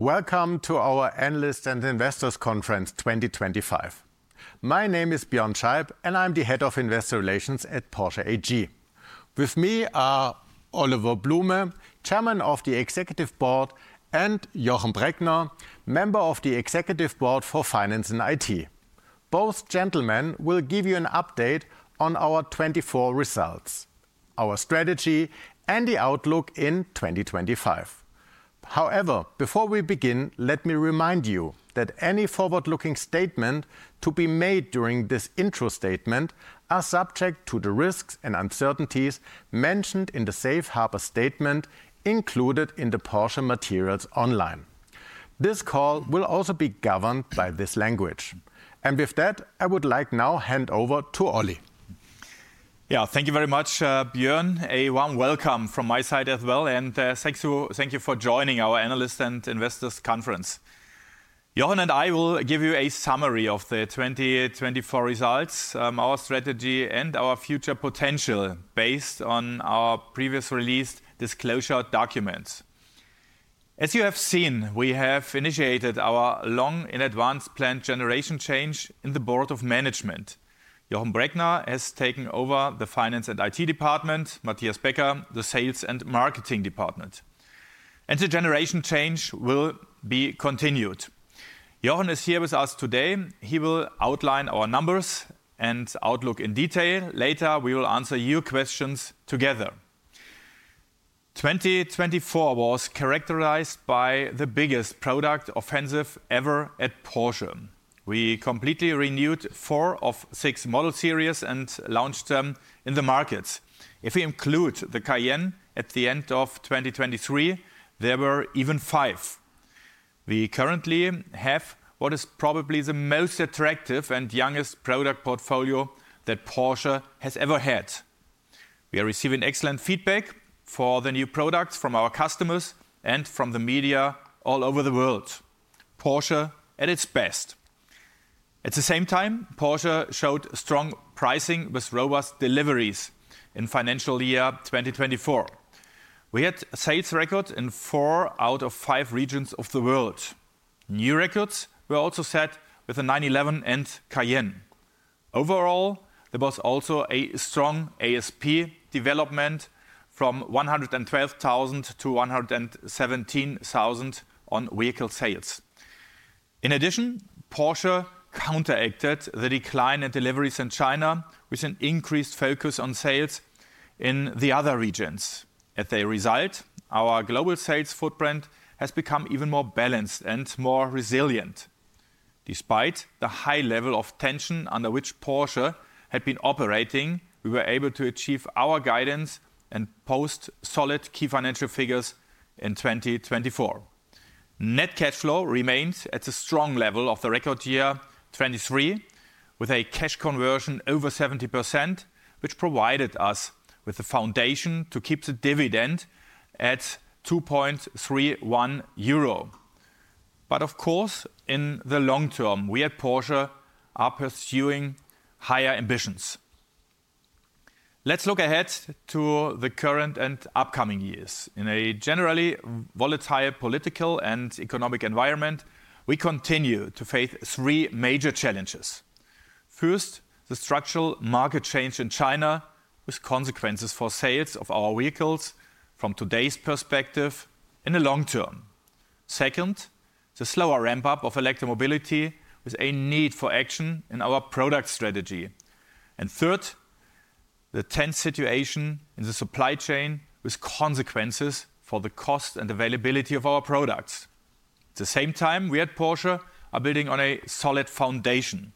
Welcome to our Analysts and Investors Conference 2025. My name is Björn Scheib, and I'm the Head of Investor Relations at Porsche AG. With me are Oliver Blume, Chairman of the Executive Board, and Jochen Breckner, Member of the Executive Board for Finance and IT. Both gentlemen will give you an update on our 2024 results, our strategy, and the outlook in 2025. However, before we begin, let me remind you that any forward-looking statements to be made during this intro statement are subject to the risks and uncertainties mentioned in the Safe Harbor Statement included in the Porsche Materials Online. This call will also be governed by this language. With that, I would like now to hand over to Olli. Yeah, thank you very much, Björn. A warm welcome from my side as well, and thank you for joining our Analysts and Investors Conference. Jochen and I will give you a summary of the 2024 results, our strategy, and our future potential based on our previously released disclosure documents. As you have seen, we have initiated our planned generation change in the Board of Management. Jochen Breckner has taken over the Finance and IT Department, Matthias Becker, the Sales and Marketing Department. The generation change will be continued. Jochen is here with us today. He will outline our numbers and outlook in detail. Later, we will answer your questions together. 2024 was characterized by the biggest product offensive ever at Porsche. We completely renewed four of six model series and launched them in the market. If we include the Cayenne at the end of 2023, there were even five. We currently have what is probably the most attractive and youngest product portfolio that Porsche has ever had. We are receiving excellent feedback for the new products from our customers and from the media all over the world. Porsche at its best. At the same time, Porsche showed strong pricing with robust deliveries in financial year 2024. We had sales records in four out of five regions of the world. New records were also set with the 911 and Cayenne. Overall, there was also a strong ASP development from 112,000 to 117,000 on vehicle sales. In addition, Porsche counteracted the decline in deliveries in China with an increased focus on sales in the other regions. As a result, our global sales footprint has become even more balanced and more resilient. Despite the high level of tension under which Porsche had been operating, we were able to achieve our guidance and post solid key financial figures in 2024. Net cash flow remained at the strong level of the record year 2023, with a cash conversion over 70%, which provided us with the foundation to keep the dividend at 2.31 euro. Of course, in the long term, we at Porsche are pursuing higher ambitions. Let's look ahead to the current and upcoming years. In a generally volatile political and economic environment, we continue to face three major challenges. First, the structural market change in China with consequences for sales of our vehicles from today's perspective in the long term. Second, the slower ramp-up of electromobility with a need for action in our product strategy. Third, the tense situation in the supply chain with consequences for the cost and availability of our products. At the same time, we at Porsche are building on a solid foundation,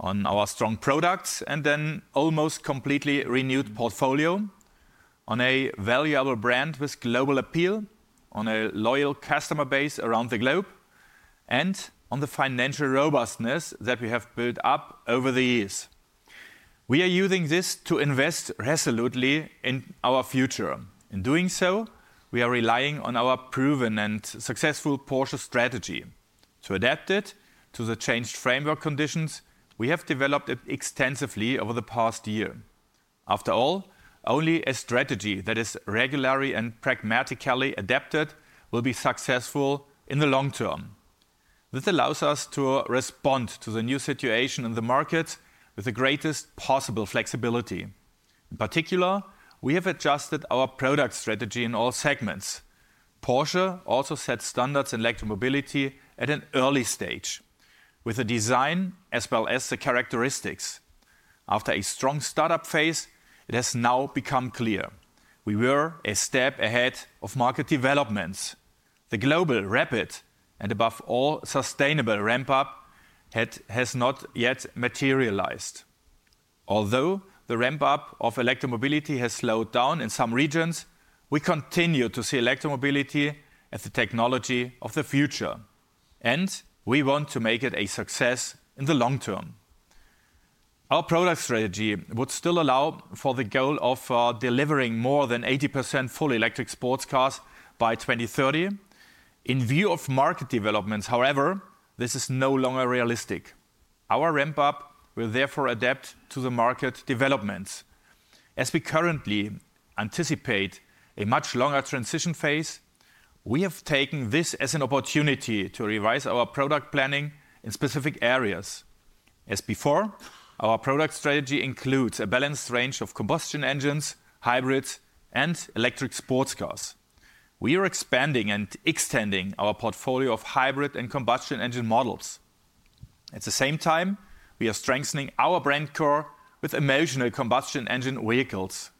on our strong products and an almost completely renewed portfolio, on a valuable brand with global appeal, on a loyal customer base around the globe, and on the financial robustness that we have built up over the years. We are using this to invest resolutely in our future. In doing so, we are relying on our proven and successful Porsche strategy. To adapt it to the changed framework conditions, we have developed it extensively over the past year. After all, only a strategy that is regularly and pragmatically adapted will be successful in the long term. This allows us to respond to the new situation in the market with the greatest possible flexibility. In particular, we have adjusted our product strategy in all segments. Porsche also set standards in electromobility at an early stage with the design as well as the characteristics. After a strong startup phase, it has now become clear we were a step ahead of market developments. The global rapid and above all sustainable ramp-up has not yet materialized. Although the ramp-up of electromobility has slowed down in some regions, we continue to see electromobility as the technology of the future, and we want to make it a success in the long term. Our product strategy would still allow for the goal of delivering more than 80% fully electric sports cars by 2030. In view of market developments, however, this is no longer realistic. Our ramp-up will therefore adapt to the market developments. As we currently anticipate a much longer transition phase, we have taken this as an opportunity to revise our product planning in specific areas. As before, our product strategy includes a balanced range of combustion engines, hybrids, and electric sports cars. We are expanding and extending our portfolio of hybrid and combustion engine models. At the same time, we are strengthening our brand core with emotional combustion engine vehicles.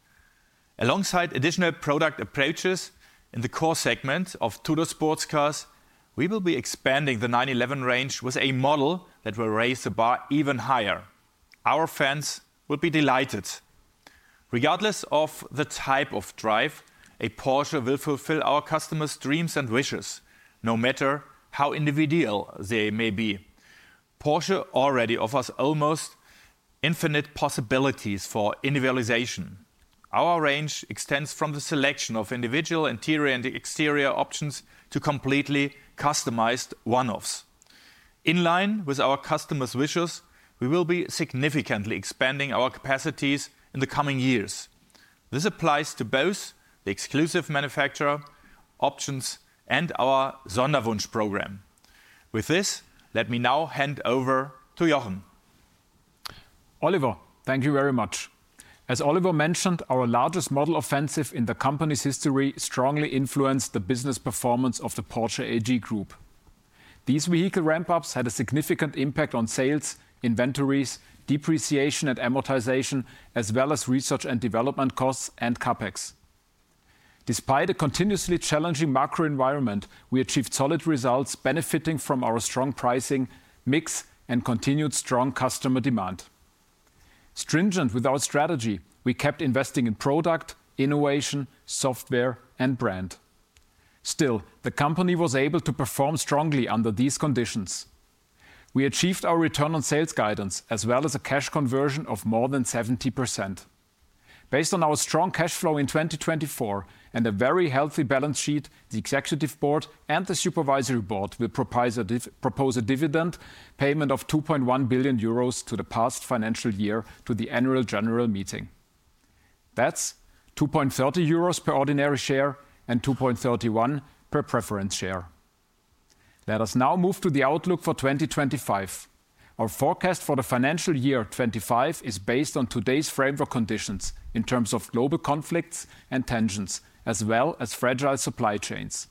Alongside additional product approaches in the core segment of two-door sports cars, we will be expanding the 911 range with a model that will raise the bar even higher. Our fans will be delighted. Regardless of the type of drive, a Porsche will fulfill our customers' dreams and wishes, no matter how individual they may be. Porsche already offers almost infinite possibilities for individualization. Our range extends from the selection of individual interior and exterior options to completely customized one-offs. In line with our customers' wishes, we will be significantly expanding our capacities in the coming years. This applies to both the exclusive manufacturer options and our Sonderwunsch programme. With this, let me now hand over to Jochen. Oliver, thank you very much. As Oliver mentioned, our largest model offensive in the company's history strongly influenced the business performance of the Porsche AG Group. These vehicle ramp-ups had a significant impact on sales, inventories, depreciation and amortization, as well as research and development costs and CapEx. Despite a continuously challenging macro environment, we achieved solid results benefiting from our strong pricing mix and continued strong customer demand. Stringent with our strategy, we kept investing in product, innovation, software, and brand. Still, the company was able to perform strongly under these conditions. We achieved our return on sales guidance as well as a cash conversion of more than 70%. Based on our strong cash flow in 2024 and a very healthy balance sheet, the Executive Board and the Supervisory Board will propose a dividend payment of 2.1 billion euros to the past financial year to the Annual General Meeting. That's 2.30 euros per ordinary share and 2.31 per preference share. Let us now move to the outlook for 2025. Our forecast for the financial year 2025 is based on today's framework conditions in terms of global conflicts and tensions, as well as fragile supply chains.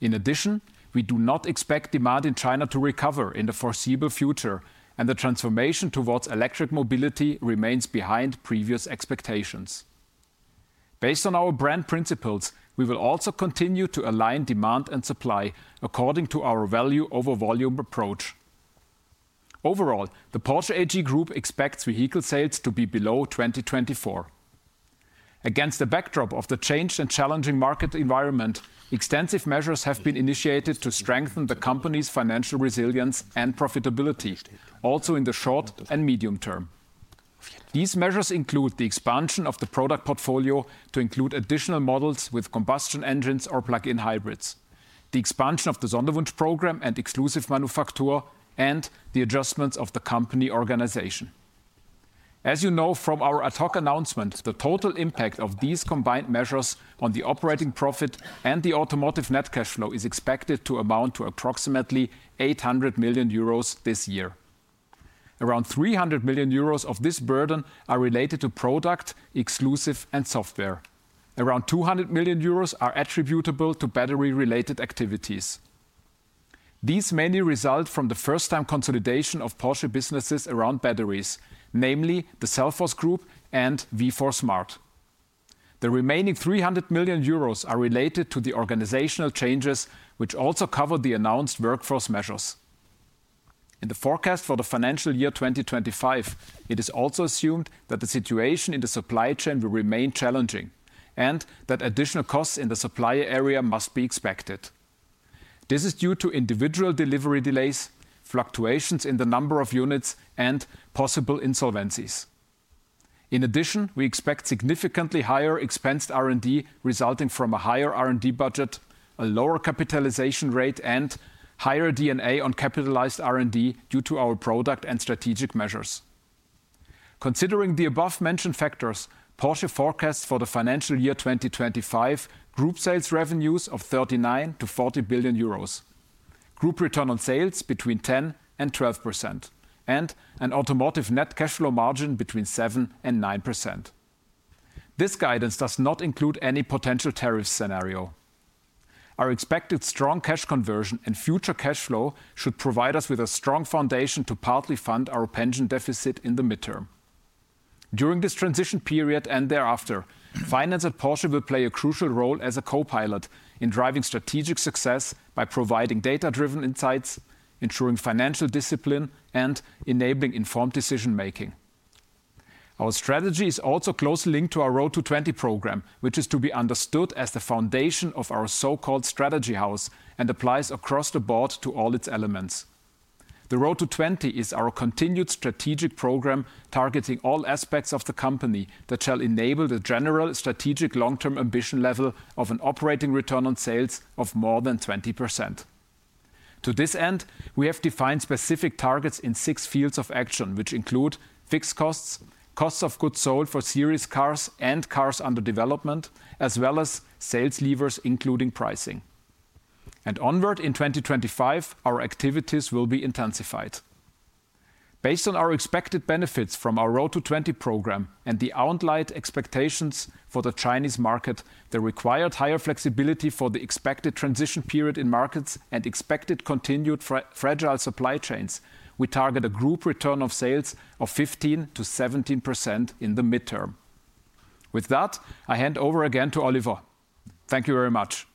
In addition, we do not expect demand in China to recover in the foreseeable future, and the transformation towards electric mobility remains behind previous expectations. Based on our brand principles, we will also continue to align demand and supply according to our value over volume approach. Overall, the Porsche AG Group expects vehicle sales to be below 2024. Against the backdrop of the changed and challenging market environment, extensive measures have been initiated to strengthen the company's financial resilience and profitability, also in the short and medium term. These measures include the expansion of the product portfolio to include additional models with combustion engines or plug-in hybrids, the expansion of the Sonderwunsch programme and Exclusive Manufaktur, and the adjustments of the company organization. As you know from our ad hoc announcement, the total impact of these combined measures on the operating profit and the automotive net cash flow is expected to amount to approximately 800 million euros this year. Around 300 million euros of this burden are related to product, exclusive, and software. Around 200 million euros are attributable to battery-related activities. These mainly result from the first-time consolidation of Porsche businesses around batteries, namely the Cellforce Group and V4Smart. The remaining 300 million euros are related to the organizational changes, which also cover the announced workforce measures. In the forecast for the financial year 2025, it is also assumed that the situation in the supply chain will remain challenging and that additional costs in the supply area must be expected. This is due to individual delivery delays, fluctuations in the number of units, and possible insolvencies. In addition, we expect significantly higher expensed R&D resulting from a higher R&D budget, a lower capitalization rate, and higher D&A on capitalized R&D due to our product and strategic measures. Considering the above-mentioned factors, Porsche forecasts for the financial year 2025 group sales revenues of 39 billion-40 billion euros, group return on sales between 10%-12%, and an automotive net cash flow margin between 7%-9%. This guidance does not include any potential tariff scenario. Our expected strong cash conversion and future cash flow should provide us with a strong foundation to partly fund our pension deficit in the midterm. During this transition period and thereafter, finance at Porsche will play a crucial role as a co-pilot in driving strategic success by providing data-driven insights, ensuring financial discipline, and enabling informed decision-making. Our strategy is also closely linked to our Road to 20 Programme, which is to be understood as the foundation of our so-called strategy house and applies across the board to all its elements. The Road to 20 is our continued strategic program targeting all aspects of the company that shall enable the general strategic long-term ambition level of an operating return on sales of more than 20%. To this end, we have defined specific targets in six fields of action, which include fixed costs, costs of goods sold for series cars and cars under development, as well as sales levers, including pricing. Onward in 2025, our activities will be intensified. Based on our expected benefits from our Road to 20 Programme and the outlined expectations for the Chinese market, the required higher flexibility for the expected transition period in markets and expected continued fragile supply chains, we target a group return on sales of 15%-17% in the midterm. With that, I hand over again to Oliver. Thank you very much.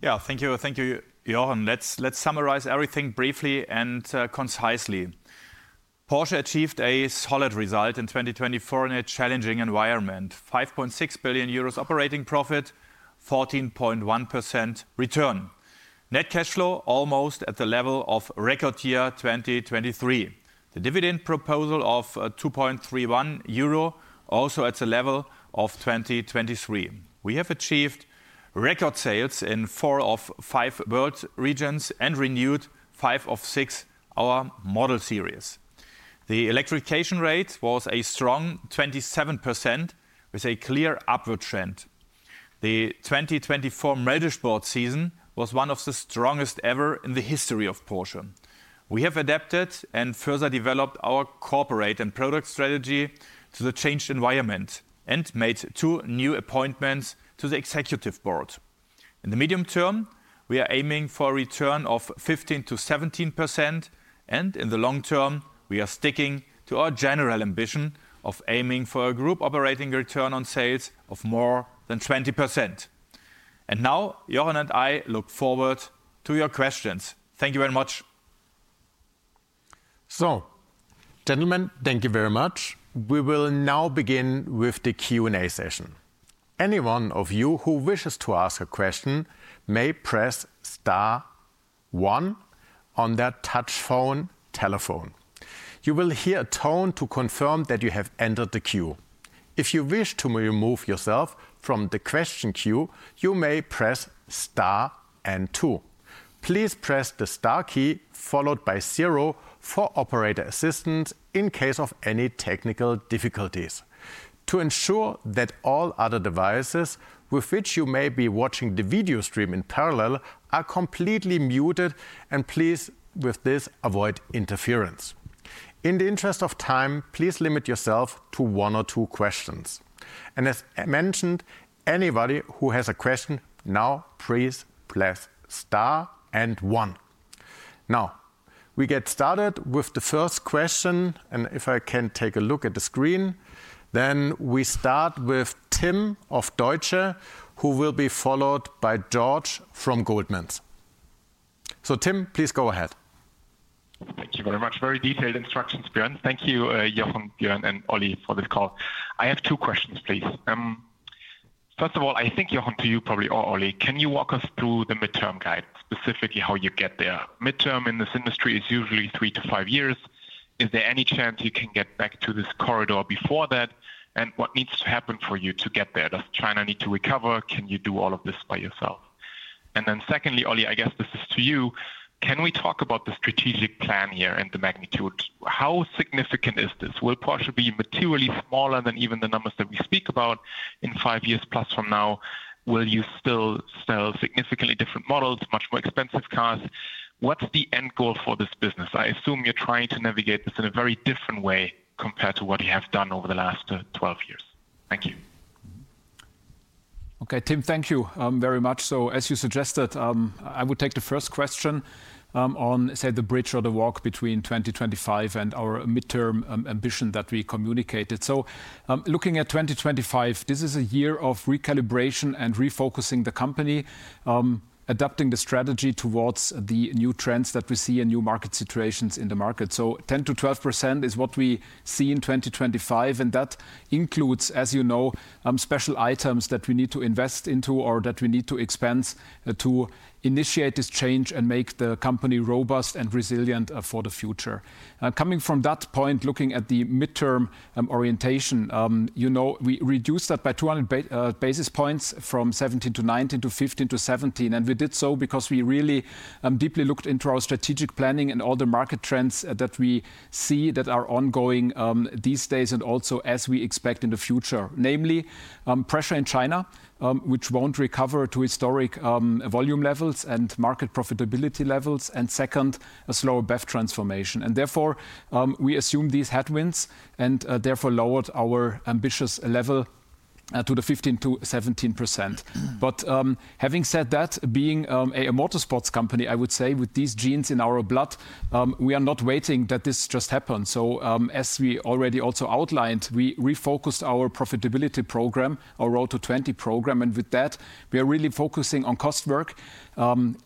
Yeah, thank you, Jochen. Let's summarize everything briefly and concisely. Porsche achieved a solid result in 2024 in a challenging environment: 5.6 billion euros operating profit, 14.1% return, net cash flow almost at the level of record year 2023, the dividend proposal of 2.31 euro also at the level of 2023. We have achieved record sales in four of five world regions and renewed five of six of our model series. The electrification rate was a strong 27% with a clear upward trend. The 2024 Möllerschwurz season was one of the strongest ever in the history of Porsche. We have adapted and further developed our corporate and product strategy to the changed environment and made two new appointments to the Executive Board. In the medium term, we are aiming for a return of 15%-17%, and in the long term, we are sticking to our general ambition of aiming for a group operating return on sales of more than 20%. Jochen and I look forward to your questions. Thank you very much. Gentlemen, thank you very much. We will now begin with the Q&A session. Anyone of you who wishes to ask a question may press star one on their touch phone telephone. You will hear a tone to confirm that you have entered the queue. If you wish to remove yourself from the question queue, you may press star and two. Please press the star key followed by zero for operator assistance in case of any technical difficulties. To ensure that all other devices with which you may be watching the video stream in parallel are completely muted, please avoid interference. In the interest of time, please limit yourself to one or two questions. As mentioned, anybody who has a question now, please press star and one. Now, we get started with the first question. If I can take a look at the screen, we start with Tim of Deutsche, who will be followed by George from Goldman Sachs. Tim, please go ahead. Thank you very much. Very detailed instructions, Björn. Thank you, Jochen, Björn, and Olli for this call. I have two questions, please. First of all, I think, Jochen, to you probably or Olli, can you walk us through the midterm guide, specifically how you get there? Midterm in this industry is usually three to five years. Is there any chance you can get back to this corridor before that? What needs to happen for you to get there? Does China need to recover? Can you do all of this by yourself? Secondly, Olli, I guess this is to you. Can we talk about the strategic plan here and the magnitude? How significant is this? Will Porsche be materially smaller than even the numbers that we speak about in five years plus from now? Will you still sell significantly different models, much more expensive cars? What's the end goal for this business? I assume you're trying to navigate this in a very different way compared to what you have done over the last 12 years. Thank you. Okay, Tim, thank you very much. As you suggested, I would take the first question on, say, the bridge or the walk between 2025 and our midterm ambition that we communicated. Looking at 2025, this is a year of recalibration and refocusing the company, adapting the strategy towards the new trends that we see and new market situations in the market. 10%-12% is what we see in 2025, and that includes, as you know, special items that we need to invest into or that we need to expense to initiate this change and make the company robust and resilient for the future. Coming from that point, looking at the midterm orientation, you know, we reduced that by 200 basis points from 17%-19% to 15%-17%. We did so because we really deeply looked into our strategic planning and all the market trends that we see that are ongoing these days and also as we expect in the future, namely pressure in China, which will not recover to historic volume levels and market profitability levels, and second, a slower BEV transformation. Therefore, we assumed these headwinds and therefore lowered our ambitious level to the 15%-17%. Having said that, being a motorsports company, I would say with these genes in our blood, we are not waiting that this just happens. As we already also outlined, we refocused our profitability program, our Road to 20 programme, and with that, we are really focusing on cost work.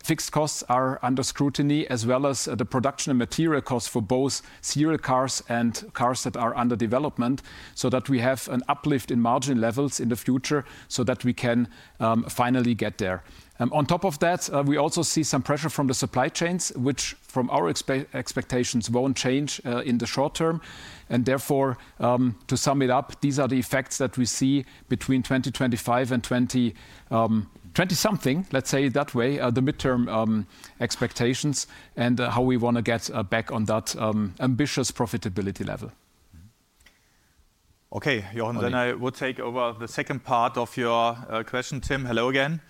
Fixed costs are under scrutiny as well as the production and material costs for both serial cars and cars that are under development so that we have an uplift in margin levels in the future so that we can finally get there. On top of that, we also see some pressure from the supply chains, which from our expectations will not change in the short term. Therefore, to sum it up, these are the effects that we see between 2025 and 2020 something, let's say it that way, the midterm expectations and how we want to get back on that ambitious profitability level. Okay, Jochen, I will take over the second part of your question, Tim. Hello again.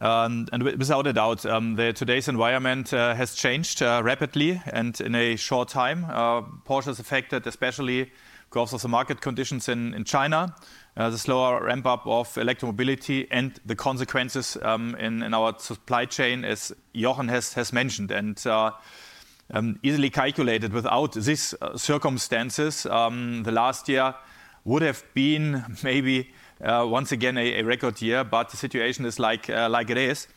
Without a doubt, today's environment has changed rapidly and in a short time. Porsche has been affected especially because of the market conditions in China, the slower ramp-up of electromobility and the consequences in our supply chain, as Jochen has mentioned and easily calculated. Without these circumstances, last year would have been maybe once again a record year, but the situation is like it is.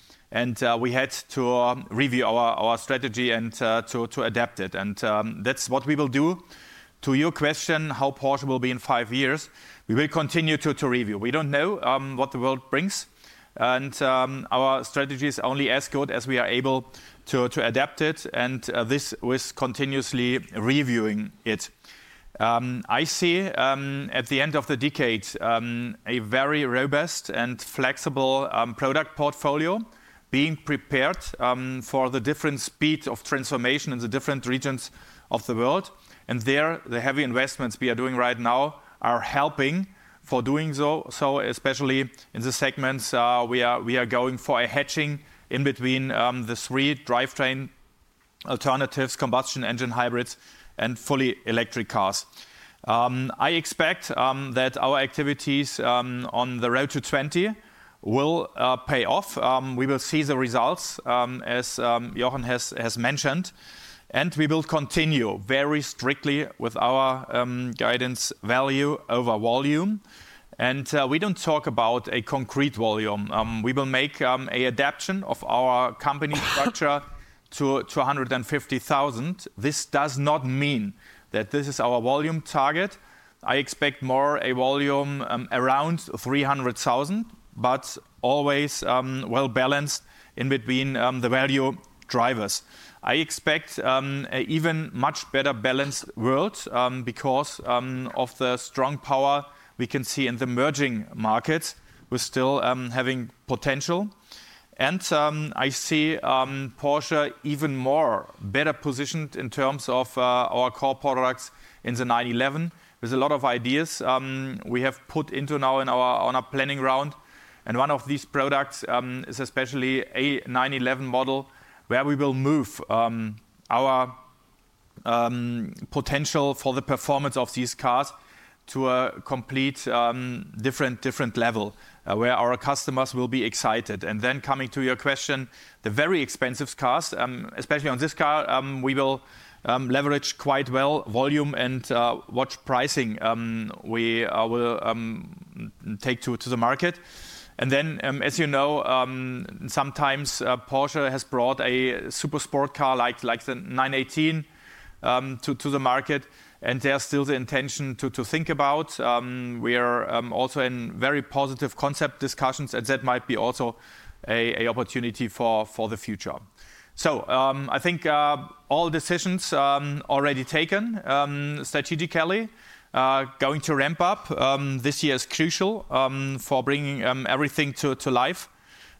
We had to review our strategy and to adapt it. That is what we will do. To your question, how Porsche will be in five years, we will continue to review. We don't know what the world brings, and our strategy is only as good as we are able to adapt it and this with continuously reviewing it. I see at the end of the decade a very robust and flexible product portfolio being prepared for the different speed of transformation in the different regions of the world. There, the heavy investments we are doing right now are helping for doing so, especially in the segments we are going for a hatching in between the three drivetrain alternatives, combustion engine hybrids, and fully electric cars. I expect that our activities on the Road to 20 will pay off. We will see the results, as Jochen has mentioned, and we will continue very strictly with our guidance value over volume. We do not talk about a concrete volume. We will make an adaptation of our company structure to 250,000. This does not mean that this is our volume target. I expect more a volume around 300,000, but always well balanced in between the value drivers. I expect an even much better balanced world because of the strong power we can see in the emerging markets. We are still having potential. I see Porsche even more better positioned in terms of our core products in the 911. There are a lot of ideas we have put into now in our planning round. One of these products is especially a 911 model where we will move our potential for the performance of these cars to a complete different level where our customers will be excited. Then coming to your question, the very expensive cars, especially on this car, we will leverage quite well volume and what pricing we will take to the market. As you know, sometimes Porsche has brought a super sport car like the 918 to the market, and there is still the intention to think about. We are also in very positive concept discussions, and that might be also an opportunity for the future. I think all decisions already taken strategically going to ramp up this year is crucial for bringing everything to life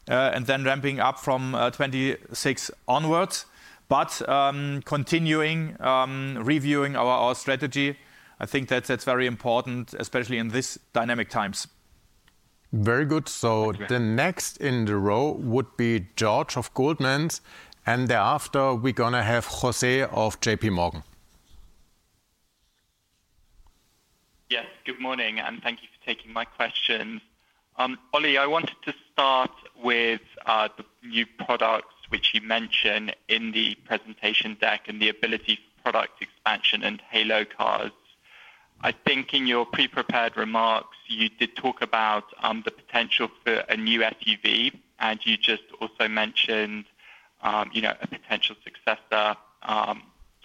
and then ramping up from 2026 onwards. Continuing reviewing our strategy, I think that is very important, especially in these dynamic times. Very good. The next in the row would be George of Goldman Sachs, and thereafter we are going to have José of JP Morgan. Yes, good morning, and thank you for taking my questions. Olli, I wanted to start with the new products which you mentioned in the presentation deck and the ability for product expansion and halo cars. I think in your pre-prepared remarks, you did talk about the potential for a new SUV, and you just also mentioned a potential successor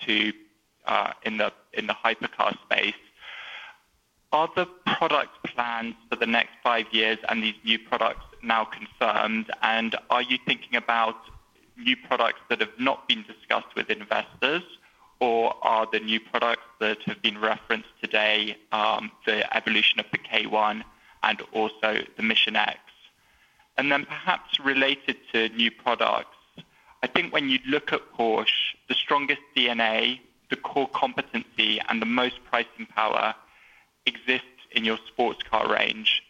in the hypercar space. Are the product plans for the next five years and these new products now confirmed? Are you thinking about new products that have not been discussed with investors, or are the new products that have been referenced today the evolution of the K1 and also the Mission X? Perhaps related to new products, I think when you look at Porsche, the strongest D&A, the core competency, and the most pricing power exists in your sports car range.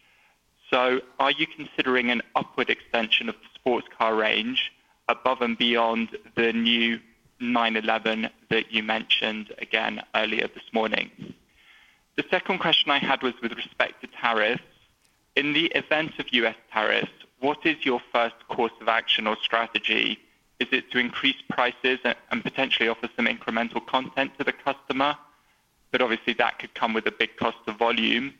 Are you considering an upward extension of the sports car range above and beyond the new 911 that you mentioned again earlier this morning? The second question I had was with respect to tariffs. In the event of U.S. tariffs, what is your first course of action or strategy? Is it to increase prices and potentially offer some incremental content to the customer? Obviously, that could come with a big cost of volume.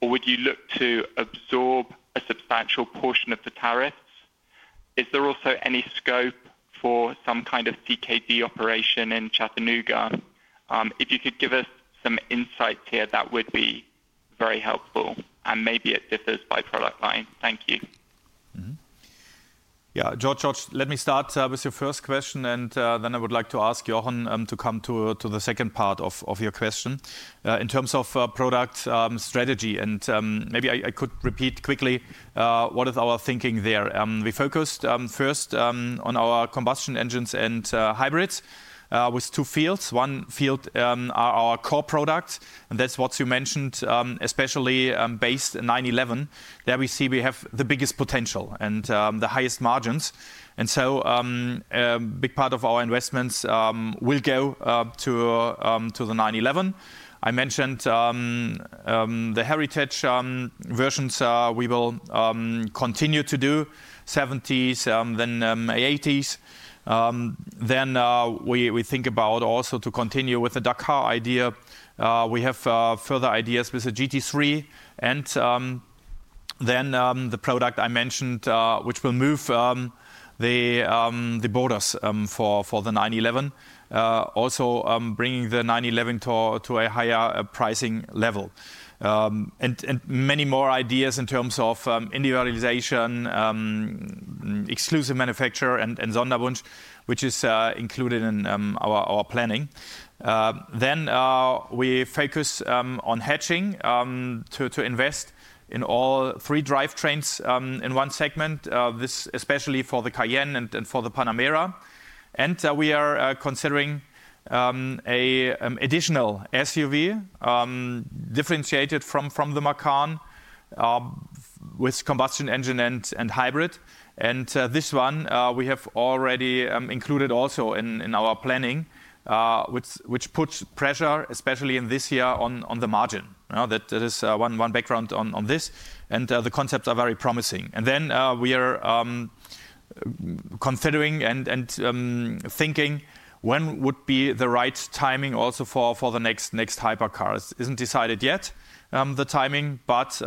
Would you look to absorb a substantial portion of the tariffs? Is there also any scope for some kind of CKD operation in Chattanooga? If you could give us some insights here, that would be very helpful, and maybe it differs by product line. Thank you. Yeah, George, let me start with your first question, and then I would like to ask Jochen to come to the second part of your question in terms of product strategy. Maybe I could repeat quickly what is our thinking there. We focused first on our combustion engines and hybrids with two fields. One field are our core products, and that's what you mentioned, especially based on 911. There we see we have the biggest potential and the highest margins. A big part of our investments will go to the 911. I mentioned the heritage versions. We will continue to do 70s, then 80s. We think about also to continue with the Dakar idea. We have further ideas with the GT3. The product I mentioned, which will move the borders for the 911, also bringing the 911 to a higher pricing level. are many more ideas in terms of individualization, Exclusive Manufaktur, and Sonderwunsch, which is included in our planning. We focus on hatching to invest in all three drivetrains in one segment, especially for the Cayenne and for the Panamera. We are considering an additional SUV differentiated from the Macan with combustion engine and hybrid. This one we have already included also in our planning, which puts pressure, especially in this year, on the margin. That is one background on this. The concepts are very promising. We are considering and thinking when would be the right timing also for the next hypercar. It is not decided yet, the timing, but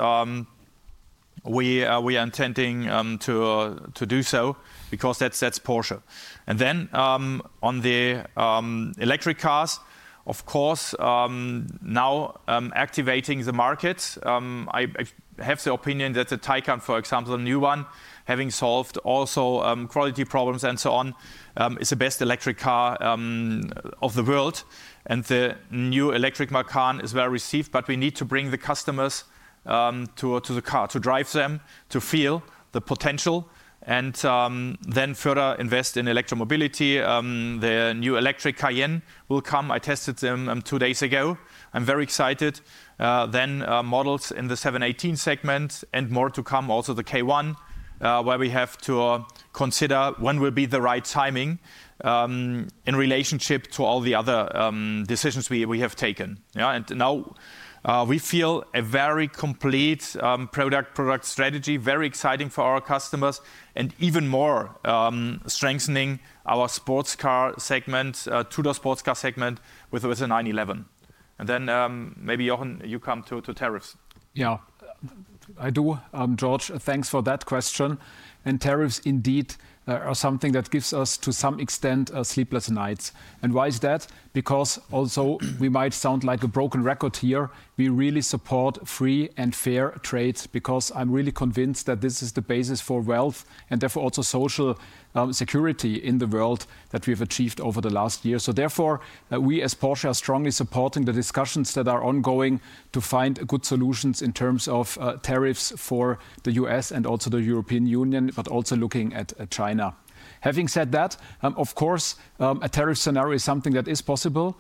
we are intending to do so because that is Porsche. On the electric cars, of course, now activating the markets. I have the opinion that the Taycan, for example, the new one, having solved also quality problems and so on, is the best electric car of the world. The new electric Macan is well received, but we need to bring the customers to the car, to drive them, to feel the potential, and then further invest in electromobility. The new electric Cayenne will come. I tested them two days ago. I am very excited. Models in the 718 segment and more to come, also the K1, where we have to consider when will be the right timing in relationship to all the other decisions we have taken. Now we feel a very complete product strategy, very exciting for our customers, and even more strengthening our sports car segment, two-door sports car segment with a 911. Maybe, Jochen, you come to tariffs. Yeah, I do, George. Thanks for that question. Tariffs indeed are something that gives us, to some extent, sleepless nights. Why is that? Although we might sound like a broken record here, we really support free and fair trade because I'm really convinced that this is the basis for wealth and therefore also social security in the world that we have achieved over the last year. Therefore, we as Porsche are strongly supporting the discussions that are ongoing to find good solutions in terms of tariffs for the U.S. and also the European Union, but also looking at China. Having said that, of course, a tariff scenario is something that is possible.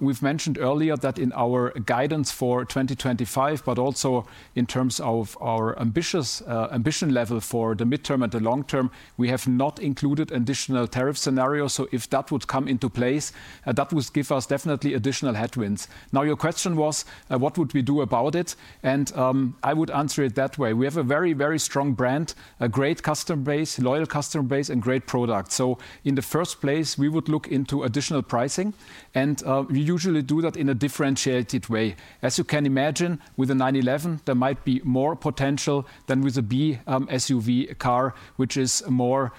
We've mentioned earlier that in our guidance for 2025, but also in terms of our ambition level for the midterm and the long term, we have not included additional tariff scenarios. If that would come into place, that would give us definitely additional headwinds. Now, your question was, what would we do about it? I would answer it that way. We have a very, very strong brand, a great customer base, loyal customer base, and great products. In the first place, we would look into additional pricing, and we usually do that in a differentiated way. As you can imagine, with a 911, there might be more potential than with a BEV SUV car, which is more,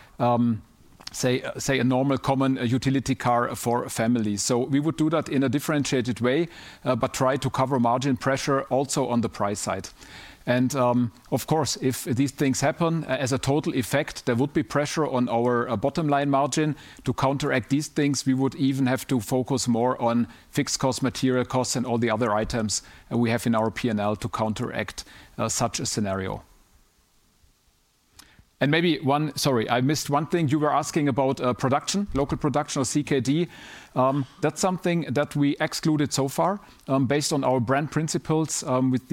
say, a normal common utility car for families. We would do that in a differentiated way, but try to cover margin pressure also on the price side. Of course, if these things happen as a total effect, there would be pressure on our bottom line margin to counteract these things. We would even have to focus more on fixed costs, material costs, and all the other items we have in our P&L to counteract such a scenario. Maybe one, sorry, I missed one thing. You were asking about production, local production or CKD. That is something that we excluded so far based on our brand principles with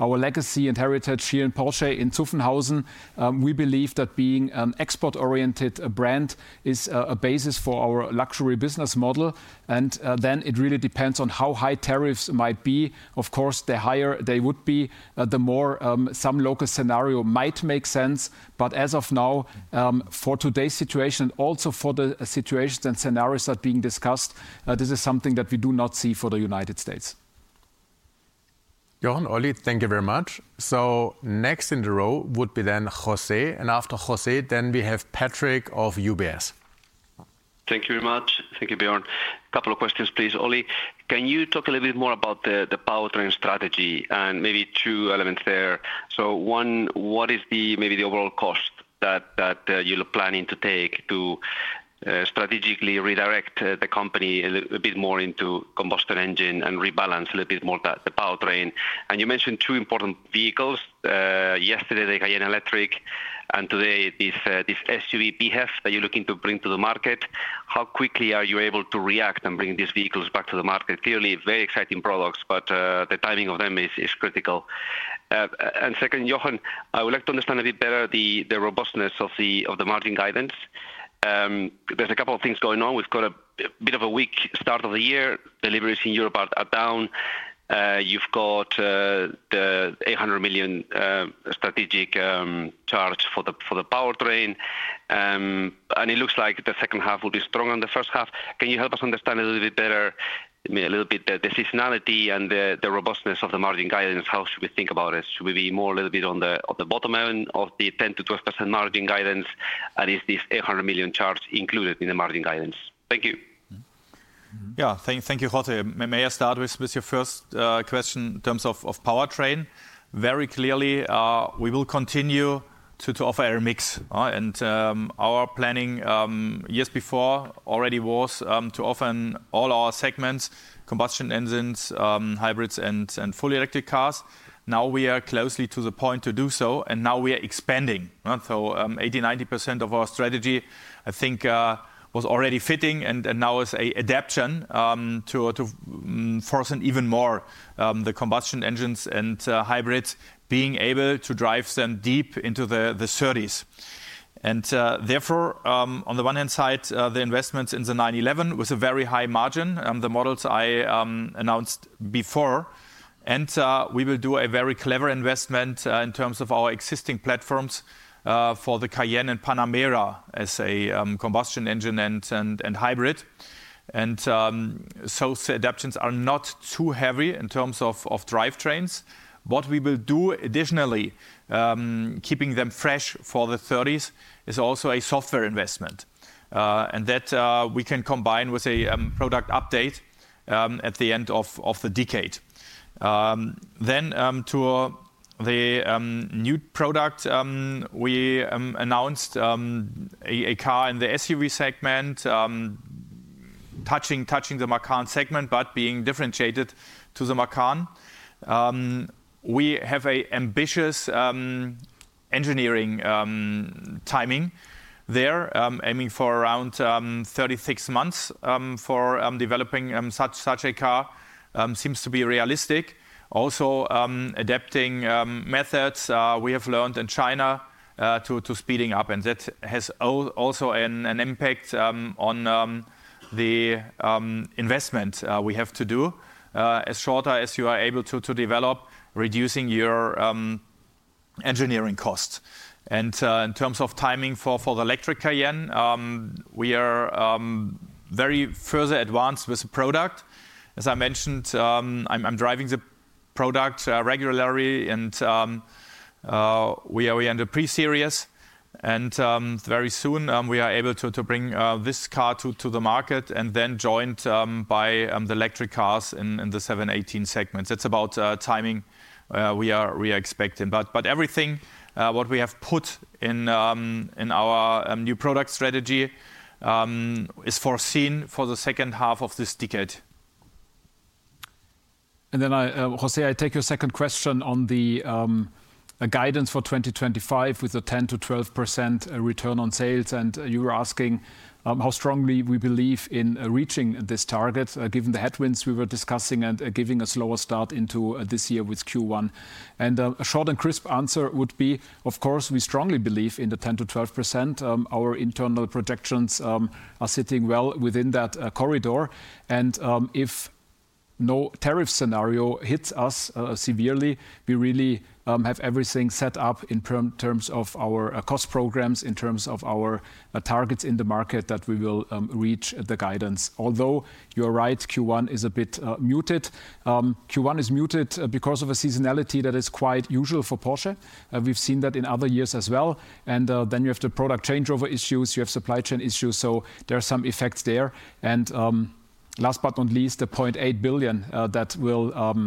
our legacy and heritage here in Porsche in Zuffenhausen. We believe that being an export-oriented brand is a basis for our luxury business model. It really depends on how high tariffs might be. Of course, the higher they would be, the more some local scenario might make sense. As of now, for today's situation, also for the situations and scenarios that are being discussed, this is something that we do not see for the United States. Jochen, Olli, thank you very much. Next in the row would be José, and after José, we have Patrick of UBS. Thank you very much. Thank you, Björn. A couple of questions, please. Olli, can you talk a little bit more about the powertrain strategy and maybe two elements there? One, what is maybe the overall cost that you're planning to take to strategically redirect the company a bit more into combustion engine and rebalance a little bit more the powertrain? You mentioned two important vehicles. Yesterday, the Cayenne Electric, and today, this SUV PHEV that you're looking to bring to the market. How quickly are you able to react and bring these vehicles back to the market? Clearly, very exciting products, but the timing of them is critical. Second, Jochen, I would like to understand a bit better the robustness of the margin guidance. There's a couple of things going on. We've got a bit of a weak start of the year. Deliveries in Europe are down. You've got the 800 million strategic charge for the powertrain. It looks like the second half will be stronger than the first half. Can you help us understand a little bit better, a little bit the seasonality and the robustness of the margin guidance? How should we think about it? Should we be more a little bit on the bottom end of the 10%-12% margin guidance? Is this 800 million charge included in the margin guidance? Thank you. Thank you, José. May I start with your first question in terms of powertrain? Very clearly, we will continue to offer a remix. Our planning years before already was to offer in all our segments, combustion engines, hybrids, and fully electric cars. Now we are closely to the point to do so, and now we are expanding. 80%-90% of our strategy, I think, was already fitting, and now is an adaption to force even more the combustion engines and hybrids, being able to drive them deep into the 2030s. Therefore, on the one hand side, the investments in the 911 with a very high margin and the models I announced before. We will do a very clever investment in terms of our existing platforms for the Cayenne and Panamera as a combustion engine and hybrid. Adaptions are not too heavy in terms of drivetrains. What we will do additionally, keeping them fresh for the 2030s, is also a software investment. That we can combine with a product update at the end of the decade. To the new product, we announced a car in the SUV segment touching the Macan segment, but being differentiated to the Macan. We have an ambitious engineering timing there, aiming for around 36 months for developing such a car. Seems to be realistic. Also adapting methods we have learned in China to speeding up. That has also an impact on the investment we have to do as short as you are able to develop, reducing your engineering costs. In terms of timing for the electric Cayenne, we are very further advanced with the product. As I mentioned, I'm driving the product regularly, and we are in the pre-series. Very soon, we are able to bring this car to the market and then joined by the electric cars in the 718 segments. That's about timing we are expecting. Everything we have put in our new product strategy is foreseen for the second half of this decade. José, I take your second question on the guidance for 2025 with the 10%-12% return on sales. You were asking how strongly we believe in reaching this target given the headwinds we were discussing and given a slower start into this year with Q1. A short and crisp answer would be, of course, we strongly believe in the 10%-12%. Our internal projections are sitting well within that corridor. If no tariff scenario hits us severely, we really have everything set up in terms of our cost programs, in terms of our targets in the market, that we will reach the guidance. Although you're right, Q1 is a bit muted. Q1 is muted because of a seasonality that is quite usual for Porsche. We have seen that in other years as well. You have the product changeover issues. You have supply chain issues. There are some effects there. Last but not least, the 0.8 billion that will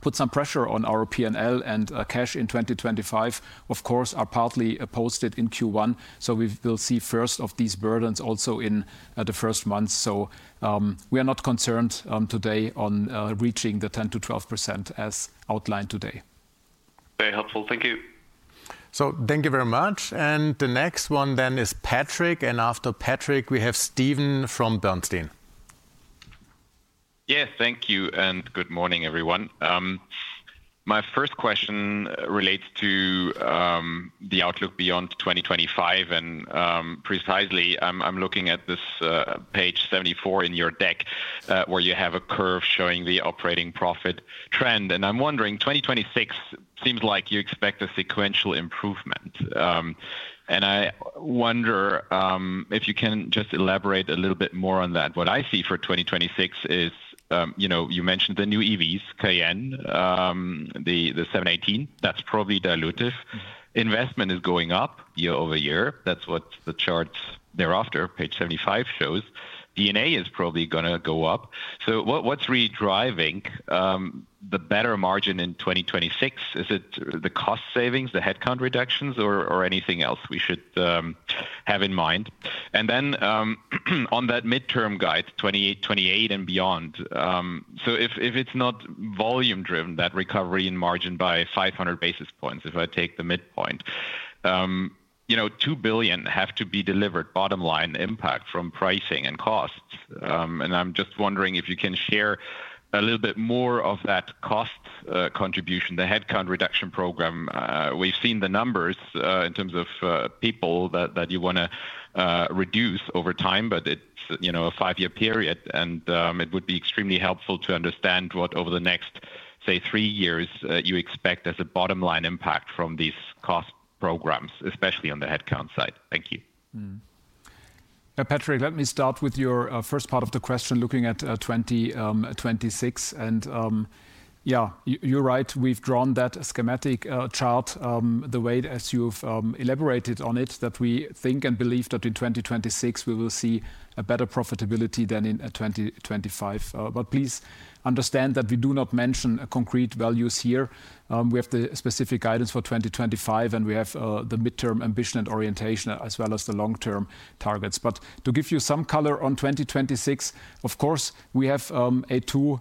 put some pressure on our P&L and cash in 2025, of course, are partly posted in Q1. We will see first of these burdens also in the first months. We are not concerned today on reaching the 10%-12% as outlined today. Very helpful. Thank you. Thank you very much. The next one then is Patrick. After Patrick, we have Stephen from Bernstein. Yes, thank you. Good morning, everyone. My first question relates to the outlook beyond 2025. Precisely, I'm looking at this page 74 in your deck where you have a curve showing the operating profit trend. I'm wondering, 2026 seems like you expect a sequential improvement. I wonder if you can just elaborate a little bit more on that. What I see for 2026 is you mentioned the new EVs, Cayenne, the 718. That's probably dilutive. Investment is going up year over year. That's what the charts thereafter, page 75, shows. D&A is probably going to go up. What's really driving the better margin in 2026? Is it the cost savings, the headcount reductions, or anything else we should have in mind? On that midterm guide, 28, 28 and beyond. If it's not volume-driven, that recovery in margin by 500 basis points, if I take the midpoint, 2 billion have to be delivered bottom line impact from pricing and costs. I'm just wondering if you can share a little bit more of that cost contribution, the headcount reduction program. We've seen the numbers in terms of people that you want to reduce over time, but it's a five-year period. It would be extremely helpful to understand what over the next, say, three years you expect as a bottom line impact from these cost programs, especially on the headcount side. Thank you. Patrick, let me start with your first part of the question looking at 2026. Yeah, you're right. We've drawn that schematic chart the way as you've elaborated on it that we think and believe that in 2026, we will see a better profitability than in 2025. Please understand that we do not mention concrete values here. We have the specific guidance for 2025, and we have the midterm ambition and orientation as well as the long-term targets. To give you some color on 2026, of course, we have a two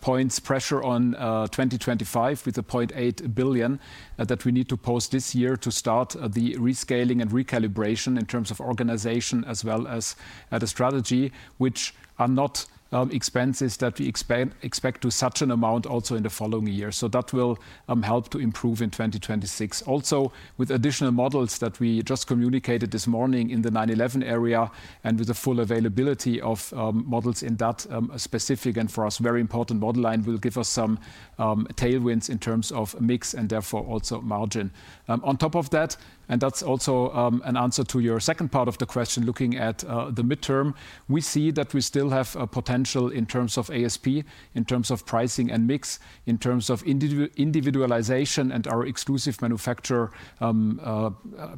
points pressure on 2025 with a 0.8 billion that we need to post this year to start the rescaling and recalibration in terms of organization as well as the strategy, which are not expenses that we expect to such an amount also in the following year. That will help to improve in 2026. Also, with additional models that we just communicated this morning in the 911 area and with the full availability of models in that specific and for us very important bottom line will give us some tailwinds in terms of mix and therefore also margin. On top of that, and that is also an answer to your second part of the question looking at the midterm, we see that we still have a potential in terms of ASP, in terms of pricing and mix, in terms of individualization and our Exclusive Manufaktur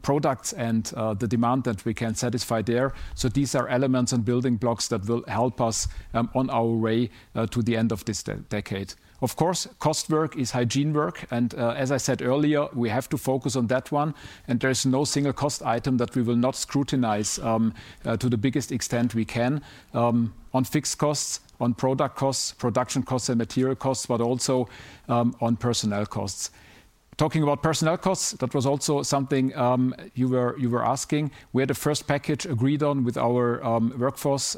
products and the demand that we can satisfy there. These are elements and building blocks that will help us on our way to the end of this decade. Of course, cost work is hygiene work. As I said earlier, we have to focus on that one. There is no single cost item that we will not scrutinize to the biggest extent we can on fixed costs, on product costs, production costs and material costs, but also on personnel costs. Talking about personnel costs, that was also something you were asking. We had a first package agreed on with our workforce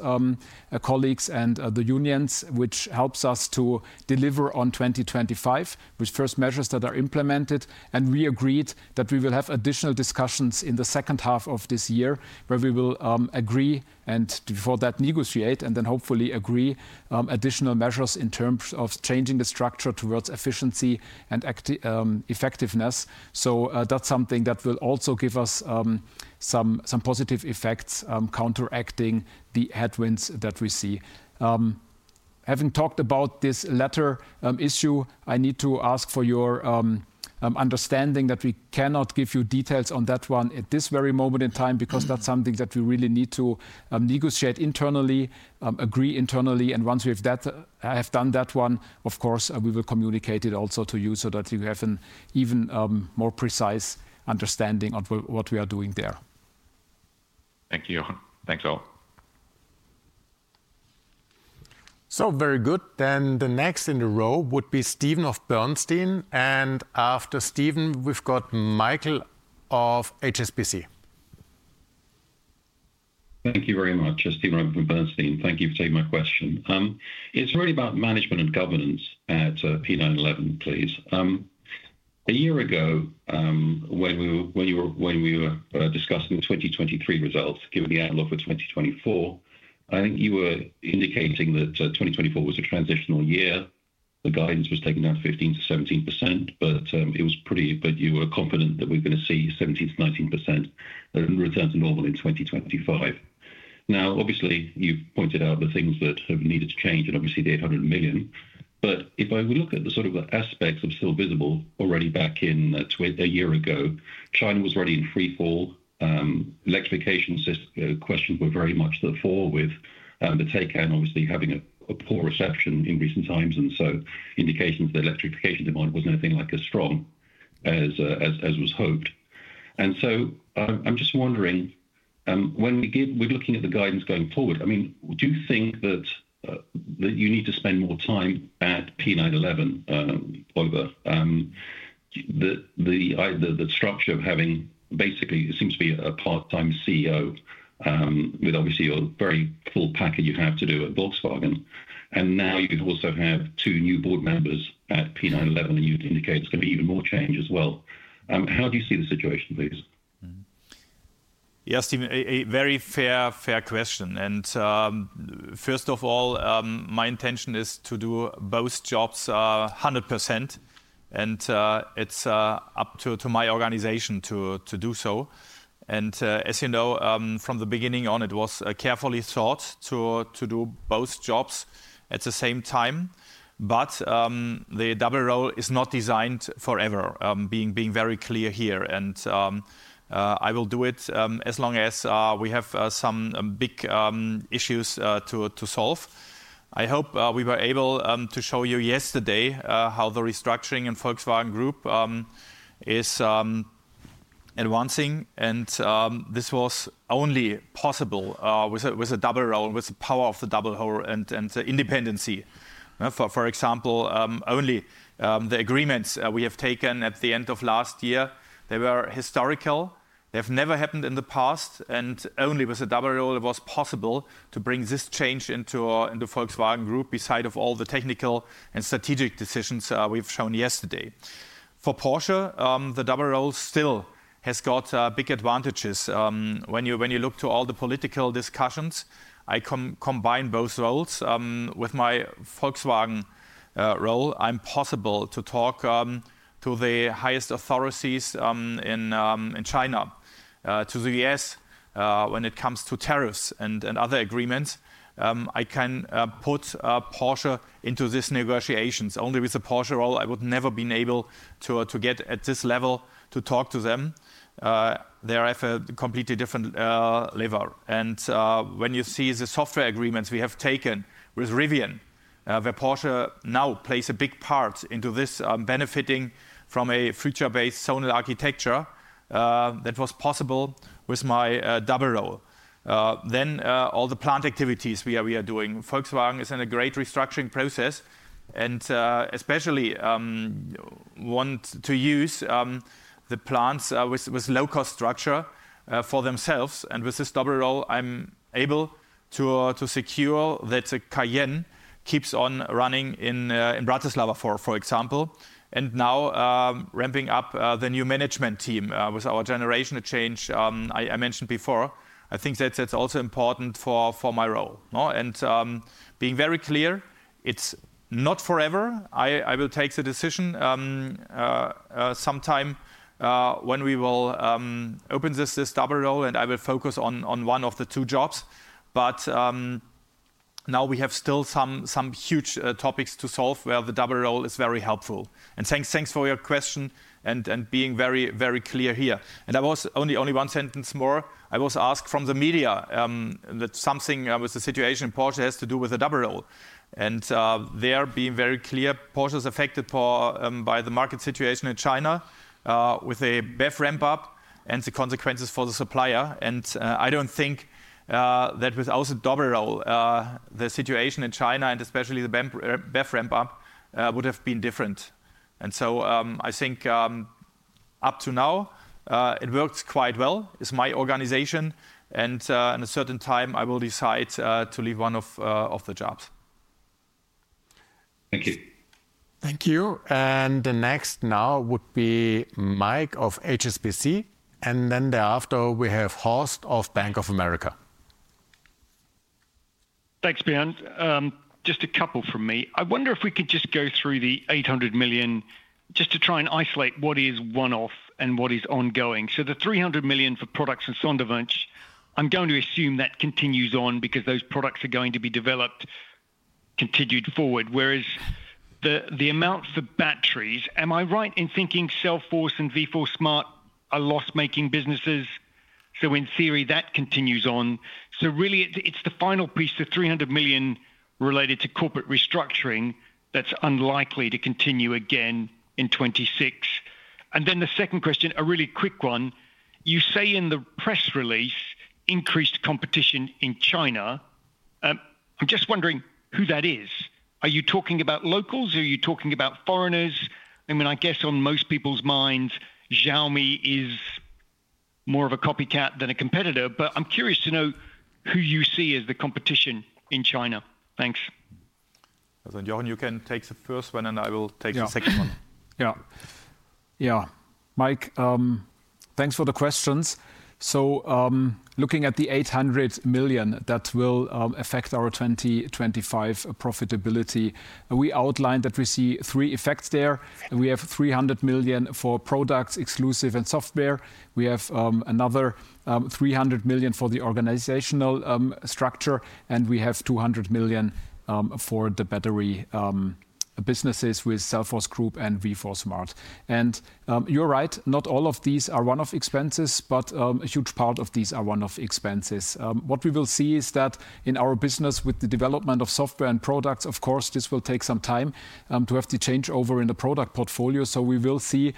colleagues and the unions, which helps us to deliver on 2025 with first measures that are implemented. We agreed that we will have additional discussions in the second half of this year where we will agree and before that negotiate and then hopefully agree additional measures in terms of changing the structure towards efficiency and effectiveness. That is something that will also give us some positive effects counteracting the headwinds that we see. Having talked about this latter issue, I need to ask for your understanding that we cannot give you details on that one at this very moment in time because that's something that we really need to negotiate internally, agree internally. Once we have done that one, of course, we will communicate it also to you so that you have an even more precise understanding of what we are doing there. Thank you. Thank you, Jochen. Very good. The next in the row would be Stephen of Bernstein. After Stephen, we've got Mike of HSBC. Thank you very much, Stephen from Bernstein. Thank you for taking my question. It's really about management and governance at P911, please. A year ago, when we were discussing the 2023 results, given the outlook for 2024, I think you were indicating that 2024 was a transitional year. The guidance was taken down 15%-17%, but it was pretty, but you were confident that we're going to see 17%-19% return to normal in 2025. Now, obviously, you've pointed out the things that have needed to change and obviously the 800 million. If I would look at the sort of aspects that are still visible already back in a year ago, China was already in freefall. Electrification questions were very much the fore with the Taycan, obviously having a poor reception in recent times. Indications that electrification demand wasn't anything like as strong as was hoped. I am just wondering, when we are looking at the guidance going forward, do you think that you need to spend more time at P911 over the structure of having basically what seems to be a part-time CEO with obviously a very full packet you have to do at Volkswagen. Now you also have two new board members at P911, and you indicate it is going to be even more change as well. How do you see the situation, please? Yes, Stephen, a very fair question. First of all, my intention is to do both jobs 100%. It is up to my organization to do so. As you know, from the beginning on, it was carefully thought to do both jobs at the same time. The double role is not designed forever, being very clear here. I will do it as long as we have some big issues to solve. I hope we were able to show you yesterday how the restructuring in Volkswagen Group is advancing. This was only possible with a double role, with the power of the double role and independency. For example, only the agreements we have taken at the end of last year, they were historical. They have never happened in the past. Only with a double role it was possible to bring this change into Volkswagen Group beside all the technical and strategic decisions we have shown yesterday. For Porsche, the double role still has got big advantages. When you look to all the political discussions, I combine both roles with my Volkswagen role. I am possible to talk to the highest authorities in China to the U.S. when it comes to tariffs and other agreements. I can put Porsche into these negotiations. Only with the Porsche role, I would never have been able to get at this level to talk to them. They're at a completely different level. When you see the software agreements we have taken with Rivian, where Porsche now plays a big part into this, benefiting from a future-based zonal architecture, that was possible with my double role. All the plant activities we are doing. Volkswagen is in a great restructuring process and especially wants to use the plants with low-cost structure for themselves. With this double role, I'm able to secure that the Cayenne keeps on running in Bratislava, for example, and now ramping up the new management team with our generation of change. I mentioned before, I think that's also important for my role. Being very clear, it's not forever. I will take the decision sometime when we will open this double role, and I will focus on one of the two jobs. Now we have still some huge topics to solve where the double role is very helpful. Thanks for your question and being very clear here. I was only one sentence more. I was asked from the media that something with the situation in Porsche has to do with the double role. There, being very clear, Porsche is affected by the market situation in China with a BEV ramp-up and the consequences for the supplier. I do not think that without a double role, the situation in China and especially the BEV ramp-up would have been different. I think up to now, it works quite well. It is my organization. At a certain time, I will decide to leave one of the jobs. Thank you. Thank you. The next now would be Mike of HSBC. Thereafter, we have Horst of Bank of America. Thanks, Björn. Just a couple from me. I wonder if we could just go through the 800 million just to try and isolate what is one-off and what is ongoing. The 300 million for products and Sonderwunsch, I'm going to assume that continues on because those products are going to be developed, continued forward. Whereas the amount for batteries, am I right in thinking Cellforce and V4Smart are loss-making businesses? In theory, that continues on. Really, it's the final piece, the 300 million related to corporate restructuring that's unlikely to continue again in 2026. The second question, a really quick one. You say in the press release, increased competition in China. I'm just wondering who that is. Are you talking about locals? Are you talking about foreigners? I mean, I guess on most people's minds, Xiaomi is more of a copycat than a competitor. But I'm curious to know who you see as the competition in China. Thanks. Jochen, you can take the first one, and I will take the second one. Yeah. Yeah. Mike, thanks for the questions. Looking at the 800 million that will affect our 2025 profitability, we outlined that we see three effects there. We have 300 million for products, exclusive and software. We have another 300 million for the organizational structure. We have 200 million for the battery businesses with Cellforce Group and V4Smart. You're right, not all of these are one-off expenses, but a huge part of these are one-off expenses. What we will see is that in our business with the development of software and products, of course, this will take some time to have the changeover in the product portfolio. We will see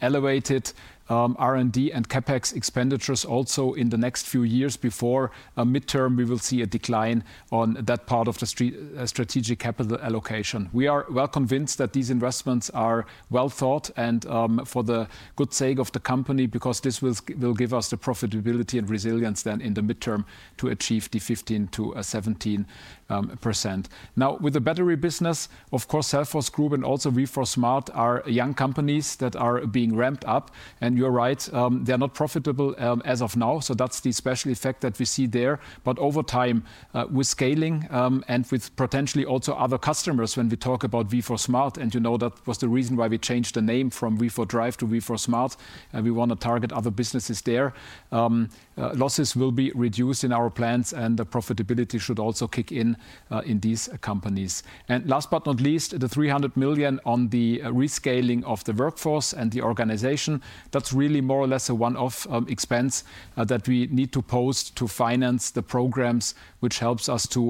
elevated R&D and CapEx expenditures also in the next few years. Before midterm, we will see a decline on that part of the strategic capital allocation. We are well convinced that these investments are well thought and for the good sake of the company because this will give us the profitability and resilience then in the midterm to achieve the 15%-17%. Now, with the battery business, of course, Cellforce Group and also V4Smart are young companies that are being ramped up. You're right, they're not profitable as of now. That's the special effect that we see there. Over time, with scaling and with potentially also other customers when we talk about V4Smart, and you know that was the reason why we changed the name from V4Drive to V4Smart, and we want to target other businesses there, losses will be reduced in our plans and the profitability should also kick in in these companies. Last but not least, the 300 million on the rescaling of the workforce and the organization, that's really more or less a one-off expense that we need to post to finance the programs, which helps us to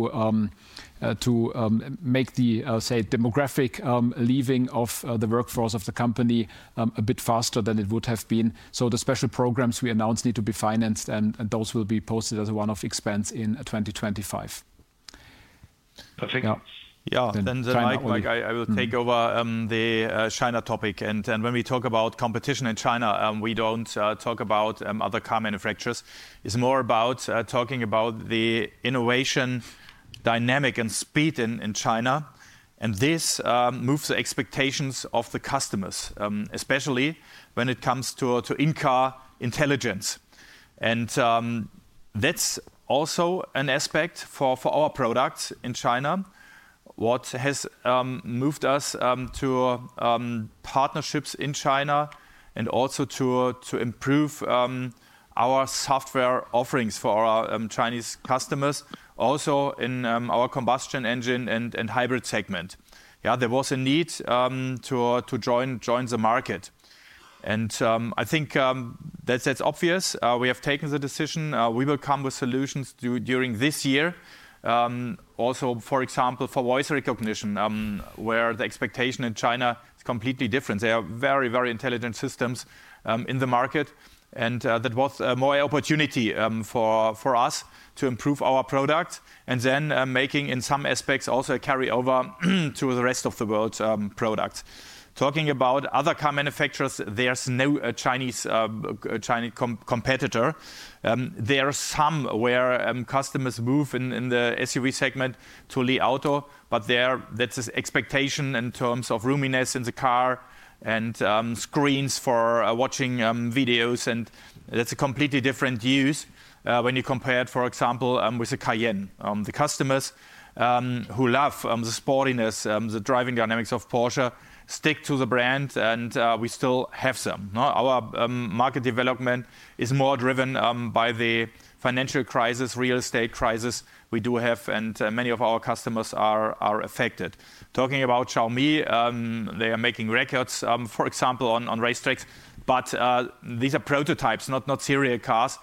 make the, say, demographic leaving of the workforce of the company a bit faster than it would have been. The special programs we announced need to be financed, and those will be posted as a one-off expense in 2025. Perfect. Yeah. Mike, I will take over the China topic. When we talk about competition in China, we do not talk about other car manufacturers. It is more about talking about the innovation dynamic and speed in China. This moves the expectations of the customers, especially when it comes to in-car intelligence. That is also an aspect for our products in China. What has moved us to partnerships in China and also to improve our software offerings for our Chinese customers, also in our combustion engine and hybrid segment. There was a need to join the market. I think that is obvious. We have taken the decision. We will come with solutions during this year. Also, for example, for voice recognition, where the expectation in China is completely different. They are very, very intelligent systems in the market. That was more opportunity for us to improve our products and then making in some aspects also a carryover to the rest of the world's products. Talking about other car manufacturers, there is no Chinese competitor. There are some where customers move in the SUV segment to Li Auto, but there that is an expectation in terms of roominess in the car and screens for watching videos. That is a completely different use when you compare it, for example, with a Cayenne. The customers who love the sportiness, the driving dynamics of Porsche stick to the brand, and we still have some. Our market development is more driven by the financial crisis, real estate crisis we do have, and many of our customers are affected. Talking about Xiaomi, they are making records, for example, on racetracks, but these are prototypes, not serial cars.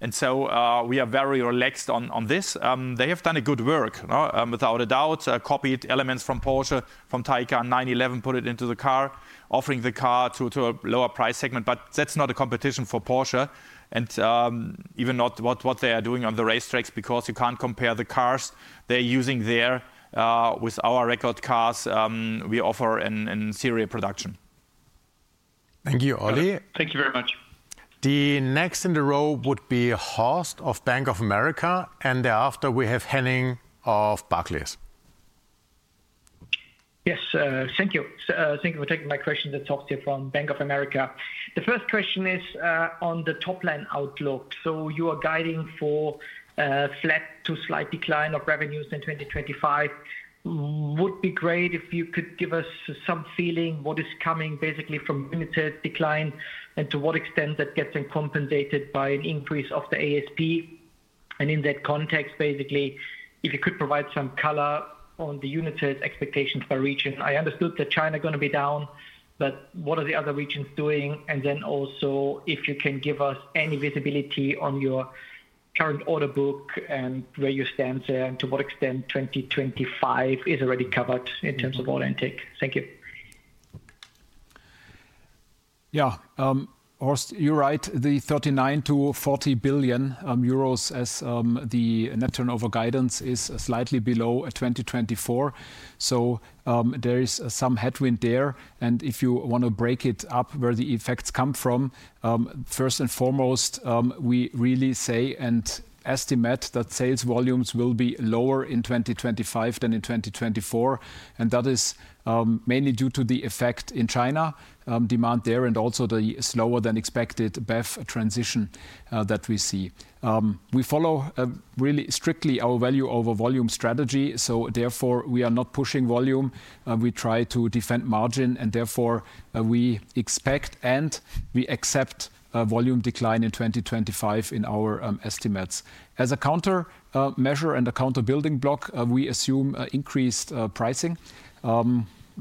We are very relaxed on this. They have done good work, without a doubt, copied elements from Porsche, from Taycan, 911, put it into the car, offering the car to a lower price segment. That is not a competition for Porsche, and even not what they are doing on the racetracks because you cannot compare the cars they are using there with our record cars we offer in serial production. Thank you, Olli. Thank you very much. The next in the row would be Horst of Bank of America. Thereafter, we have Henning of Barclays. Yes, thank you. Thank you for taking my question. It is Horst here from Bank of America. The first question is on the top-line outlook. You are guiding for a flat to slight decline of revenues in 2025. It would be great if you could give us some feeling what is coming basically from unit sales decline and to what extent that gets compensated by an increase of the ASP. In that context, basically, if you could provide some color on the unit sales expectations by region. I understood that China is going to be down, but what are the other regions doing? If you can give us any visibility on your current order book and where you stand there and to what extent 2025 is already covered in terms of all intake. Thank you. Yeah. Horst, you're right. The 39 billion-40 billion euros as the net turnover guidance is slightly below 2024. There is some headwind there. If you want to break it up where the effects come from, first and foremost, we really say and estimate that sales volumes will be lower in 2025 than in 2024. That is mainly due to the effect in China demand there and also the slower than expected BEV transition that we see. We follow really strictly our value over volume strategy. Therefore, we are not pushing volume. We try to defend margin. Therefore, we expect and we accept a volume decline in 2025 in our estimates. As a countermeasure and a counter-building block, we assume increased pricing.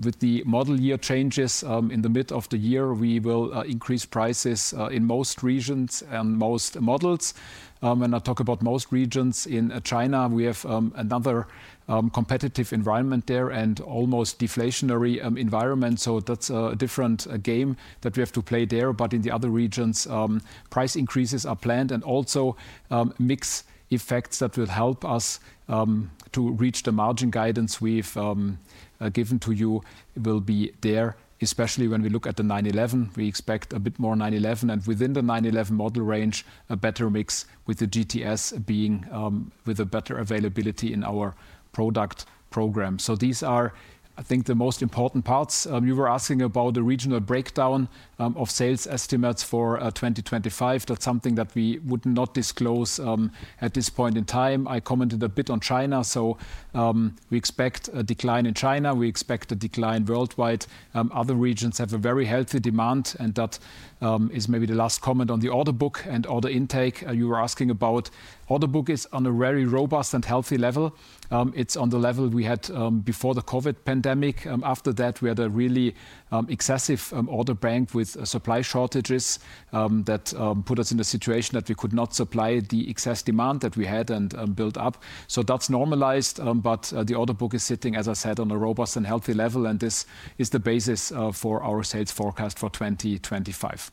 With the model year changes in the middle of the year, we will increase prices in most regions and most models. When I talk about most regions, in China, we have another competitive environment there and almost deflationary environment. That is a different game that we have to play there. In the other regions, price increases are planned and also mix effects that will help us to reach the margin guidance we have given to you will be there, especially when we look at the 911. We expect a bit more 911. Within the 911 model range, a better mix with the GTS being with a better availability in our product program. These are, I think, the most important parts. You were asking about the regional breakdown of sales estimates for 2025. That is something that we would not disclose at this point in time. I commented a bit on China. We expect a decline in China. We expect a decline worldwide. Other regions have a very healthy demand. That is maybe the last comment on the order book and order intake. You were asking about order book is on a very robust and healthy level. It's on the level we had before the COVID pandemic. After that, we had a really excessive order bank with supply shortages that put us in a situation that we could not supply the excess demand that we had and build up. That has normalized. The order book is sitting, as I said, on a robust and healthy level. This is the basis for our sales forecast for 2025.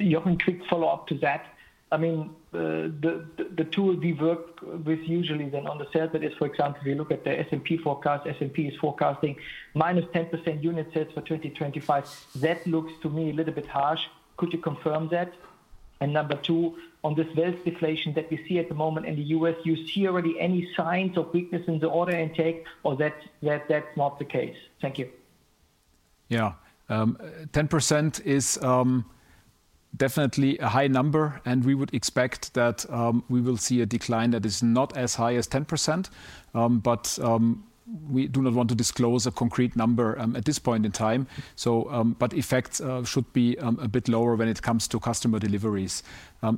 Jochen, quick follow-up to that. I mean, the tool we work with usually then on the sales that is, for example, if you look at the S&P forecast, S&P is forecasting minus 10% unit sales for 2025. That looks to me a little bit harsh. Could you confirm that? Number two, on this wealth deflation that we see at the moment in the U.S., do you see already any signs of weakness in the order intake or is that not the case? Thank you. Yeah. 10% is definitely a high number. We would expect that we will see a decline that is not as high as 10%. We do not want to disclose a concrete number at this point in time. Effects should be a bit lower when it comes to customer deliveries.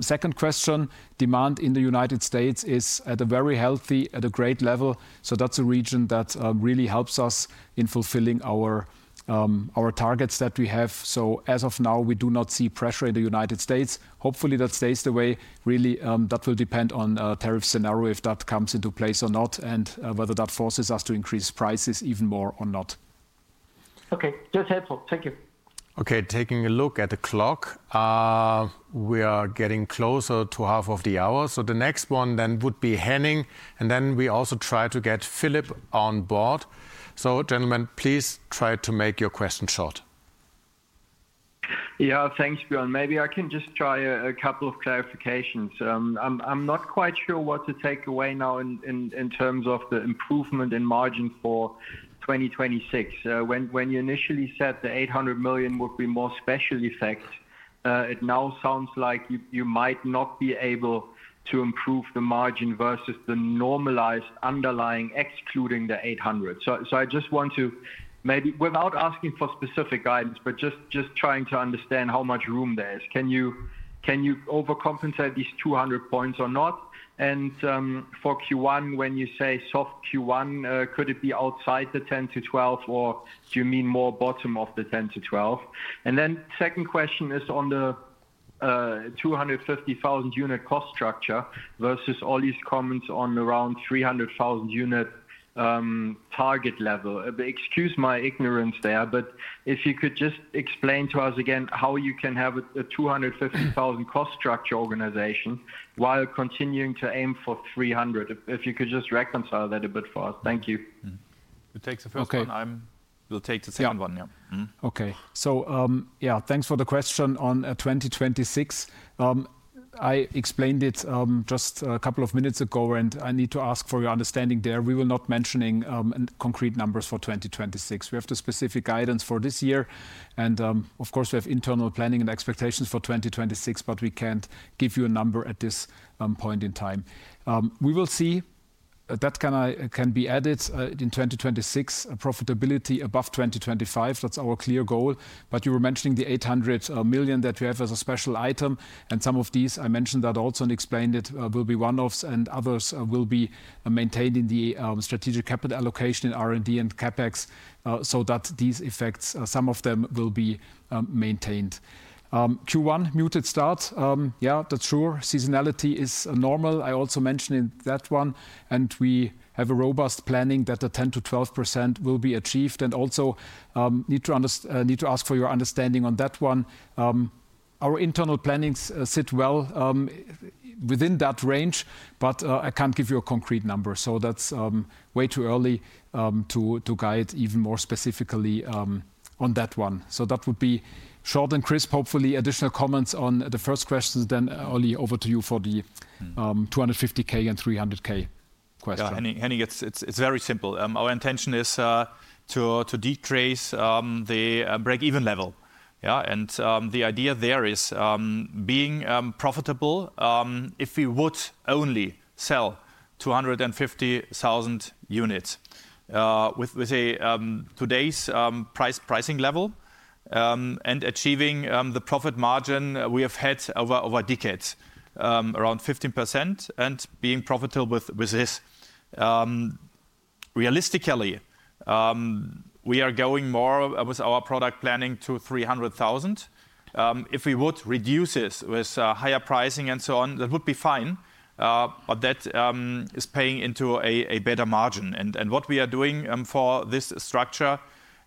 Second question, demand in the United States is at a very healthy, at a great level. That is a region that really helps us in fulfilling our targets that we have. As of now, we do not see pressure in the United States. Hopefully, that stays the way. Really, that will depend on a tariff scenario if that comes into place or not and whether that forces us to increase prices even more or not. Okay. That's helpful. Thank you. Okay. Taking a look at the clock, we are getting closer to half of the hour. The next one then would be Henning. We also try to get Philip on board. Gentlemen, please try to make your question short. Yeah. Thanks, Björn. Maybe I can just try a couple of clarifications. I'm not quite sure what to take away now in terms of the improvement in margin for 2026. When you initially said the 800 million would be more special effect, it now sounds like you might not be able to improve the margin versus the normalized underlying excluding the 800. I just want to maybe without asking for specific guidance, but just trying to understand how much room there is. Can you overcompensate these 200 basis points or not? For Q1, when you say soft Q1, could it be outside the 10%-12%, or do you mean more bottom of the 10%-12%? Second question is on the 250,000 unit cost structure versus Olli's comments on around 300,000 unit target level. Excuse my ignorance there, but if you could just explain to us again how you can have a 250,000 cost structure organization while continuing to aim for 300,000, if you could just reconcile that a bit for us. Thank you. It takes the first one. I will take the second one. Yeah. Okay. Yeah, thanks for the question on 2026. I explained it just a couple of minutes ago, and I need to ask for your understanding there. We will not be mentioning concrete numbers for 2026. We have the specific guidance for this year. Of course, we have internal planning and expectations for 2026, but we can't give you a number at this point in time. We will see that can be added in 2026, profitability above 2025. That's our clear goal. You were mentioning the 800 million that you have as a special item. Some of these, I mentioned that also and explained it, will be one-offs and others will be maintained in the strategic capital allocation in R&D and CapEx so that these effects, some of them will be maintained. Q1 muted start. Yeah, that's true. Seasonality is normal. I also mentioned that one. We have a robust planning that the 10-12% will be achieved. I also need to ask for your understanding on that one. Our internal plannings sit well within that range, but I cannot give you a concrete number. That is way too early to guide even more specifically on that one. That would be short and crisp. Hopefully, additional comments on the first question. Olli, over to you for the 250,000 and 300,000 question. Yeah. Henning, it is very simple. Our intention is to decrease the break-even level. The idea there is being profitable if we would only sell 250,000 units with today's pricing level and achieving the profit margin we have had over decades, around 15%, and being profitable with this. Realistically, we are going more with our product planning to 300,000. If we would reduce this with higher pricing and so on, that would be fine. That is paying into a better margin. What we are doing for this structure,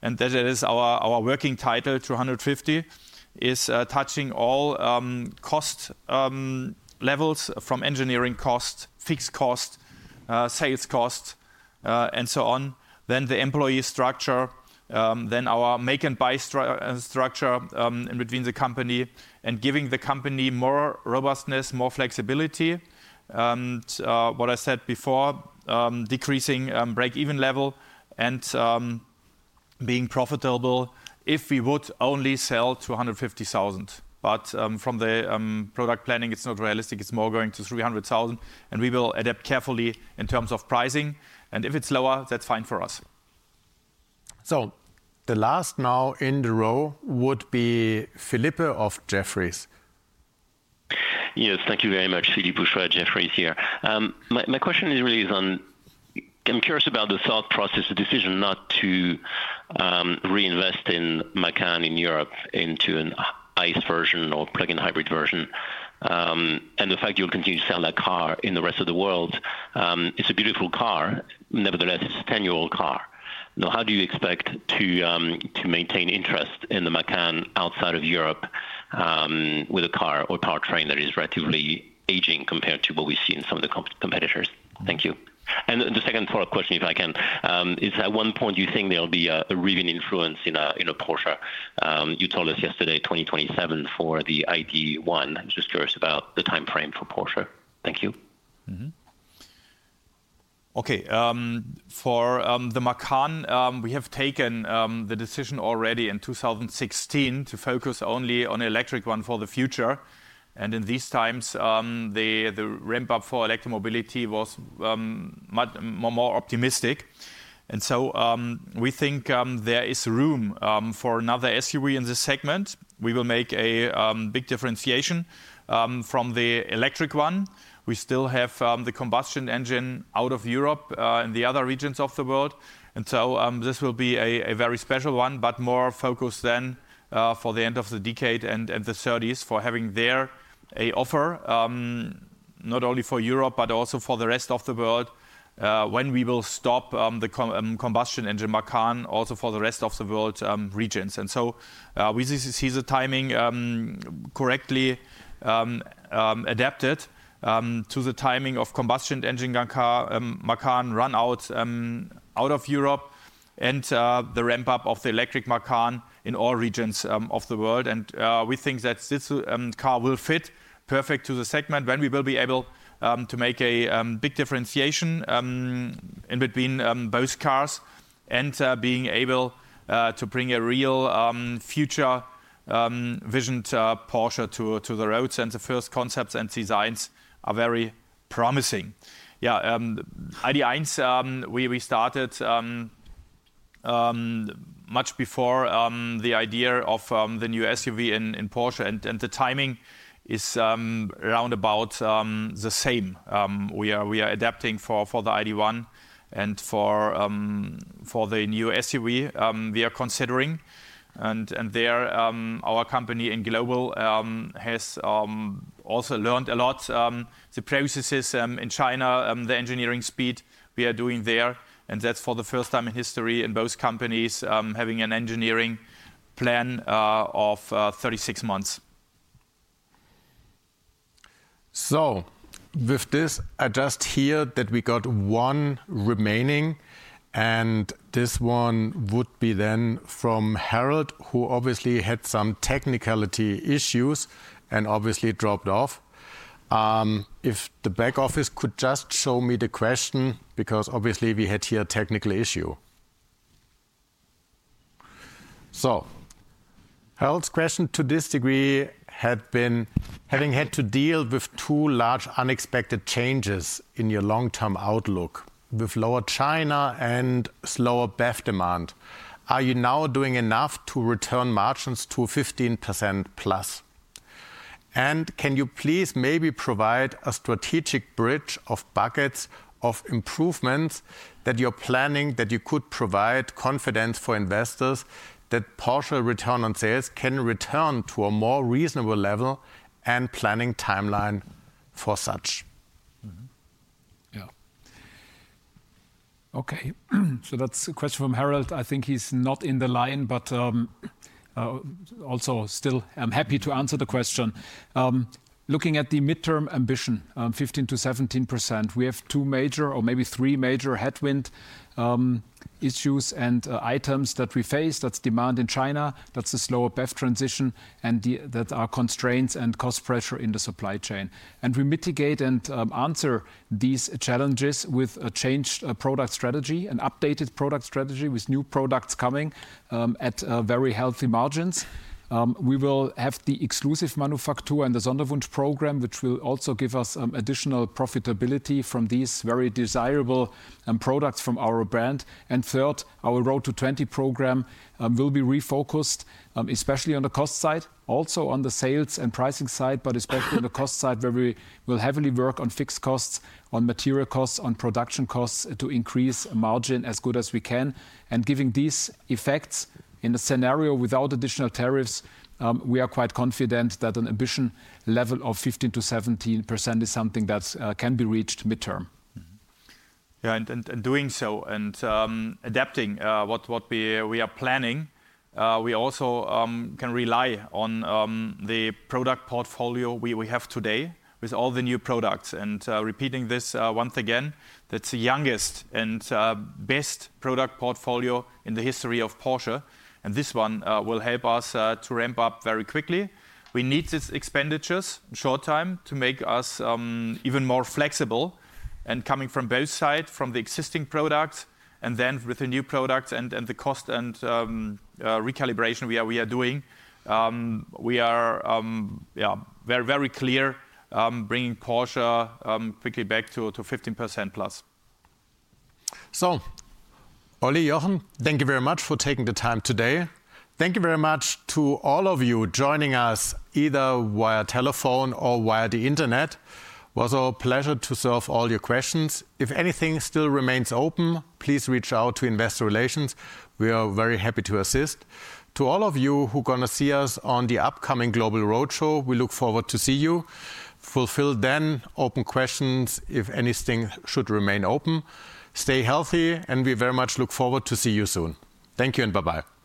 and that is our working title, 250, is touching all cost levels from engineering cost, fixed cost, sales cost, and so on. The employee structure, our make and buy structure in between the company, and giving the company more robustness, more flexibility. What I said before, decreasing break-even level and being profitable if we would only sell 250,000. From the product planning, it is not realistic. It is more going to 300,000. We will adapt carefully in terms of pricing. If it is lower, that is fine for us. The last now in the row would be Philippe of Jefferies. Yes. Thank you very much, Philippe Houchois, Jefferies here. My question really is on I'm curious about the thought process, the decision not to reinvest in Macan in Europe into an ICE version or plug-in hybrid version. The fact you'll continue to sell that car in the rest of the world. It's a beautiful car. Nevertheless, it's a 10-year-old car. Now, how do you expect to maintain interest in the Macan outside of Europe with a car or powertrain that is relatively aging compared to what we see in some of the competitors? Thank you. The second follow-up question, if I can, is at one point you think there'll be a revenue influence in a Porsche. You told us yesterday, 2027, for the ID.1. I'm just curious about the timeframe for Porsche. Thank you. Okay. For the Macan, we have taken the decision already in 2016 to focus only on electric one for the future. In these times, the ramp-up for electromobility was more optimistic. We think there is room for another SUV in this segment. We will make a big differentiation from the electric one. We still have the combustion engine out of Europe and the other regions of the world. This will be a very special one, but more focused then for the end of the decade and the 2030s for having there an offer not only for Europe, but also for the rest of the world when we will stop the combustion engine Macan also for the rest of the world regions. We see the timing correctly adapted to the timing of combustion engine Macan run out of Europe and the ramp-up of the electric Macan in all regions of the world. We think that this car will fit perfect to the segment when we will be able to make a big differentiation in between those cars and being able to bring a real future-visioned Porsche to the roads. The first concepts and designs are very promising. ID.1, we started much before the idea of the new SUV in Porsche. The timing is round about the same. We are adapting for the ID.1 and for the new SUV we are considering. Our company in global has also learned a lot. The processes in China, the engineering speed we are doing there. That is for the first time in history in both companies having an engineering plan of 36 months. With this, I just hear that we got one remaining. This one would be from Harald, who obviously had some technicality issues and dropped off. If the back office could just show me the question because we had here a technical issue. Harald's question to this degree had been having had to deal with two large unexpected changes in your long-term outlook with lower China and slower BEV demand. Are you now doing enough to return margins to 15% plus? Can you please maybe provide a strategic bridge of buckets of improvements that you are planning that you could provide confidence for investors that Porsche return on sales can return to a more reasonable level and planning timeline for such? Yeah. Okay. That is a question from Harald. I think he is not on the line, but also still I am happy to answer the question. Looking at the midterm ambition, 15%-17%, we have two major or maybe three major headwind issues and items that we face. That's demand in China. That's the slower BEV transition and that are constraints and cost pressure in the supply chain. We mitigate and answer these challenges with a changed product strategy, an updated product strategy with new products coming at very healthy margins. We will have the Exclusive Manufaktur and the Sonderwunsch programme, which will also give us additional profitability from these very desirable products from our brand. Third, our Road to 20 program will be refocused, especially on the cost side, also on the sales and pricing side, but especially on the cost side where we will heavily work on fixed costs, on material costs, on production costs to increase margin as good as we can. Giving these effects in a scenario without additional tariffs, we are quite confident that an ambition level of 15%-17% is something that can be reached midterm. Yeah. Doing so and adapting what we are planning, we also can rely on the product portfolio we have today with all the new products. Repeating this once again, that is the youngest and best product portfolio in the history of Porsche. This one will help us to ramp up very quickly. We need these expenditures in short time to make us even more flexible. Coming from both sides, from the existing products and then with the new products and the cost and recalibration we are doing, we are very, very clear bringing Porsche quickly back to 15% plus. Ollie Jochen, thank you very much for taking the time today. Thank you very much to all of you joining us either via telephone or via the internet. It was our pleasure to serve all your questions. If anything still remains open, please reach out to Investor Relations. We are very happy to assist. To all of you who are going to see us on the upcoming Global Roadshow, we look forward to see you. Fulfill then open questions if anything should remain open. Stay healthy and we very much look forward to see you soon. Thank you and bye-bye.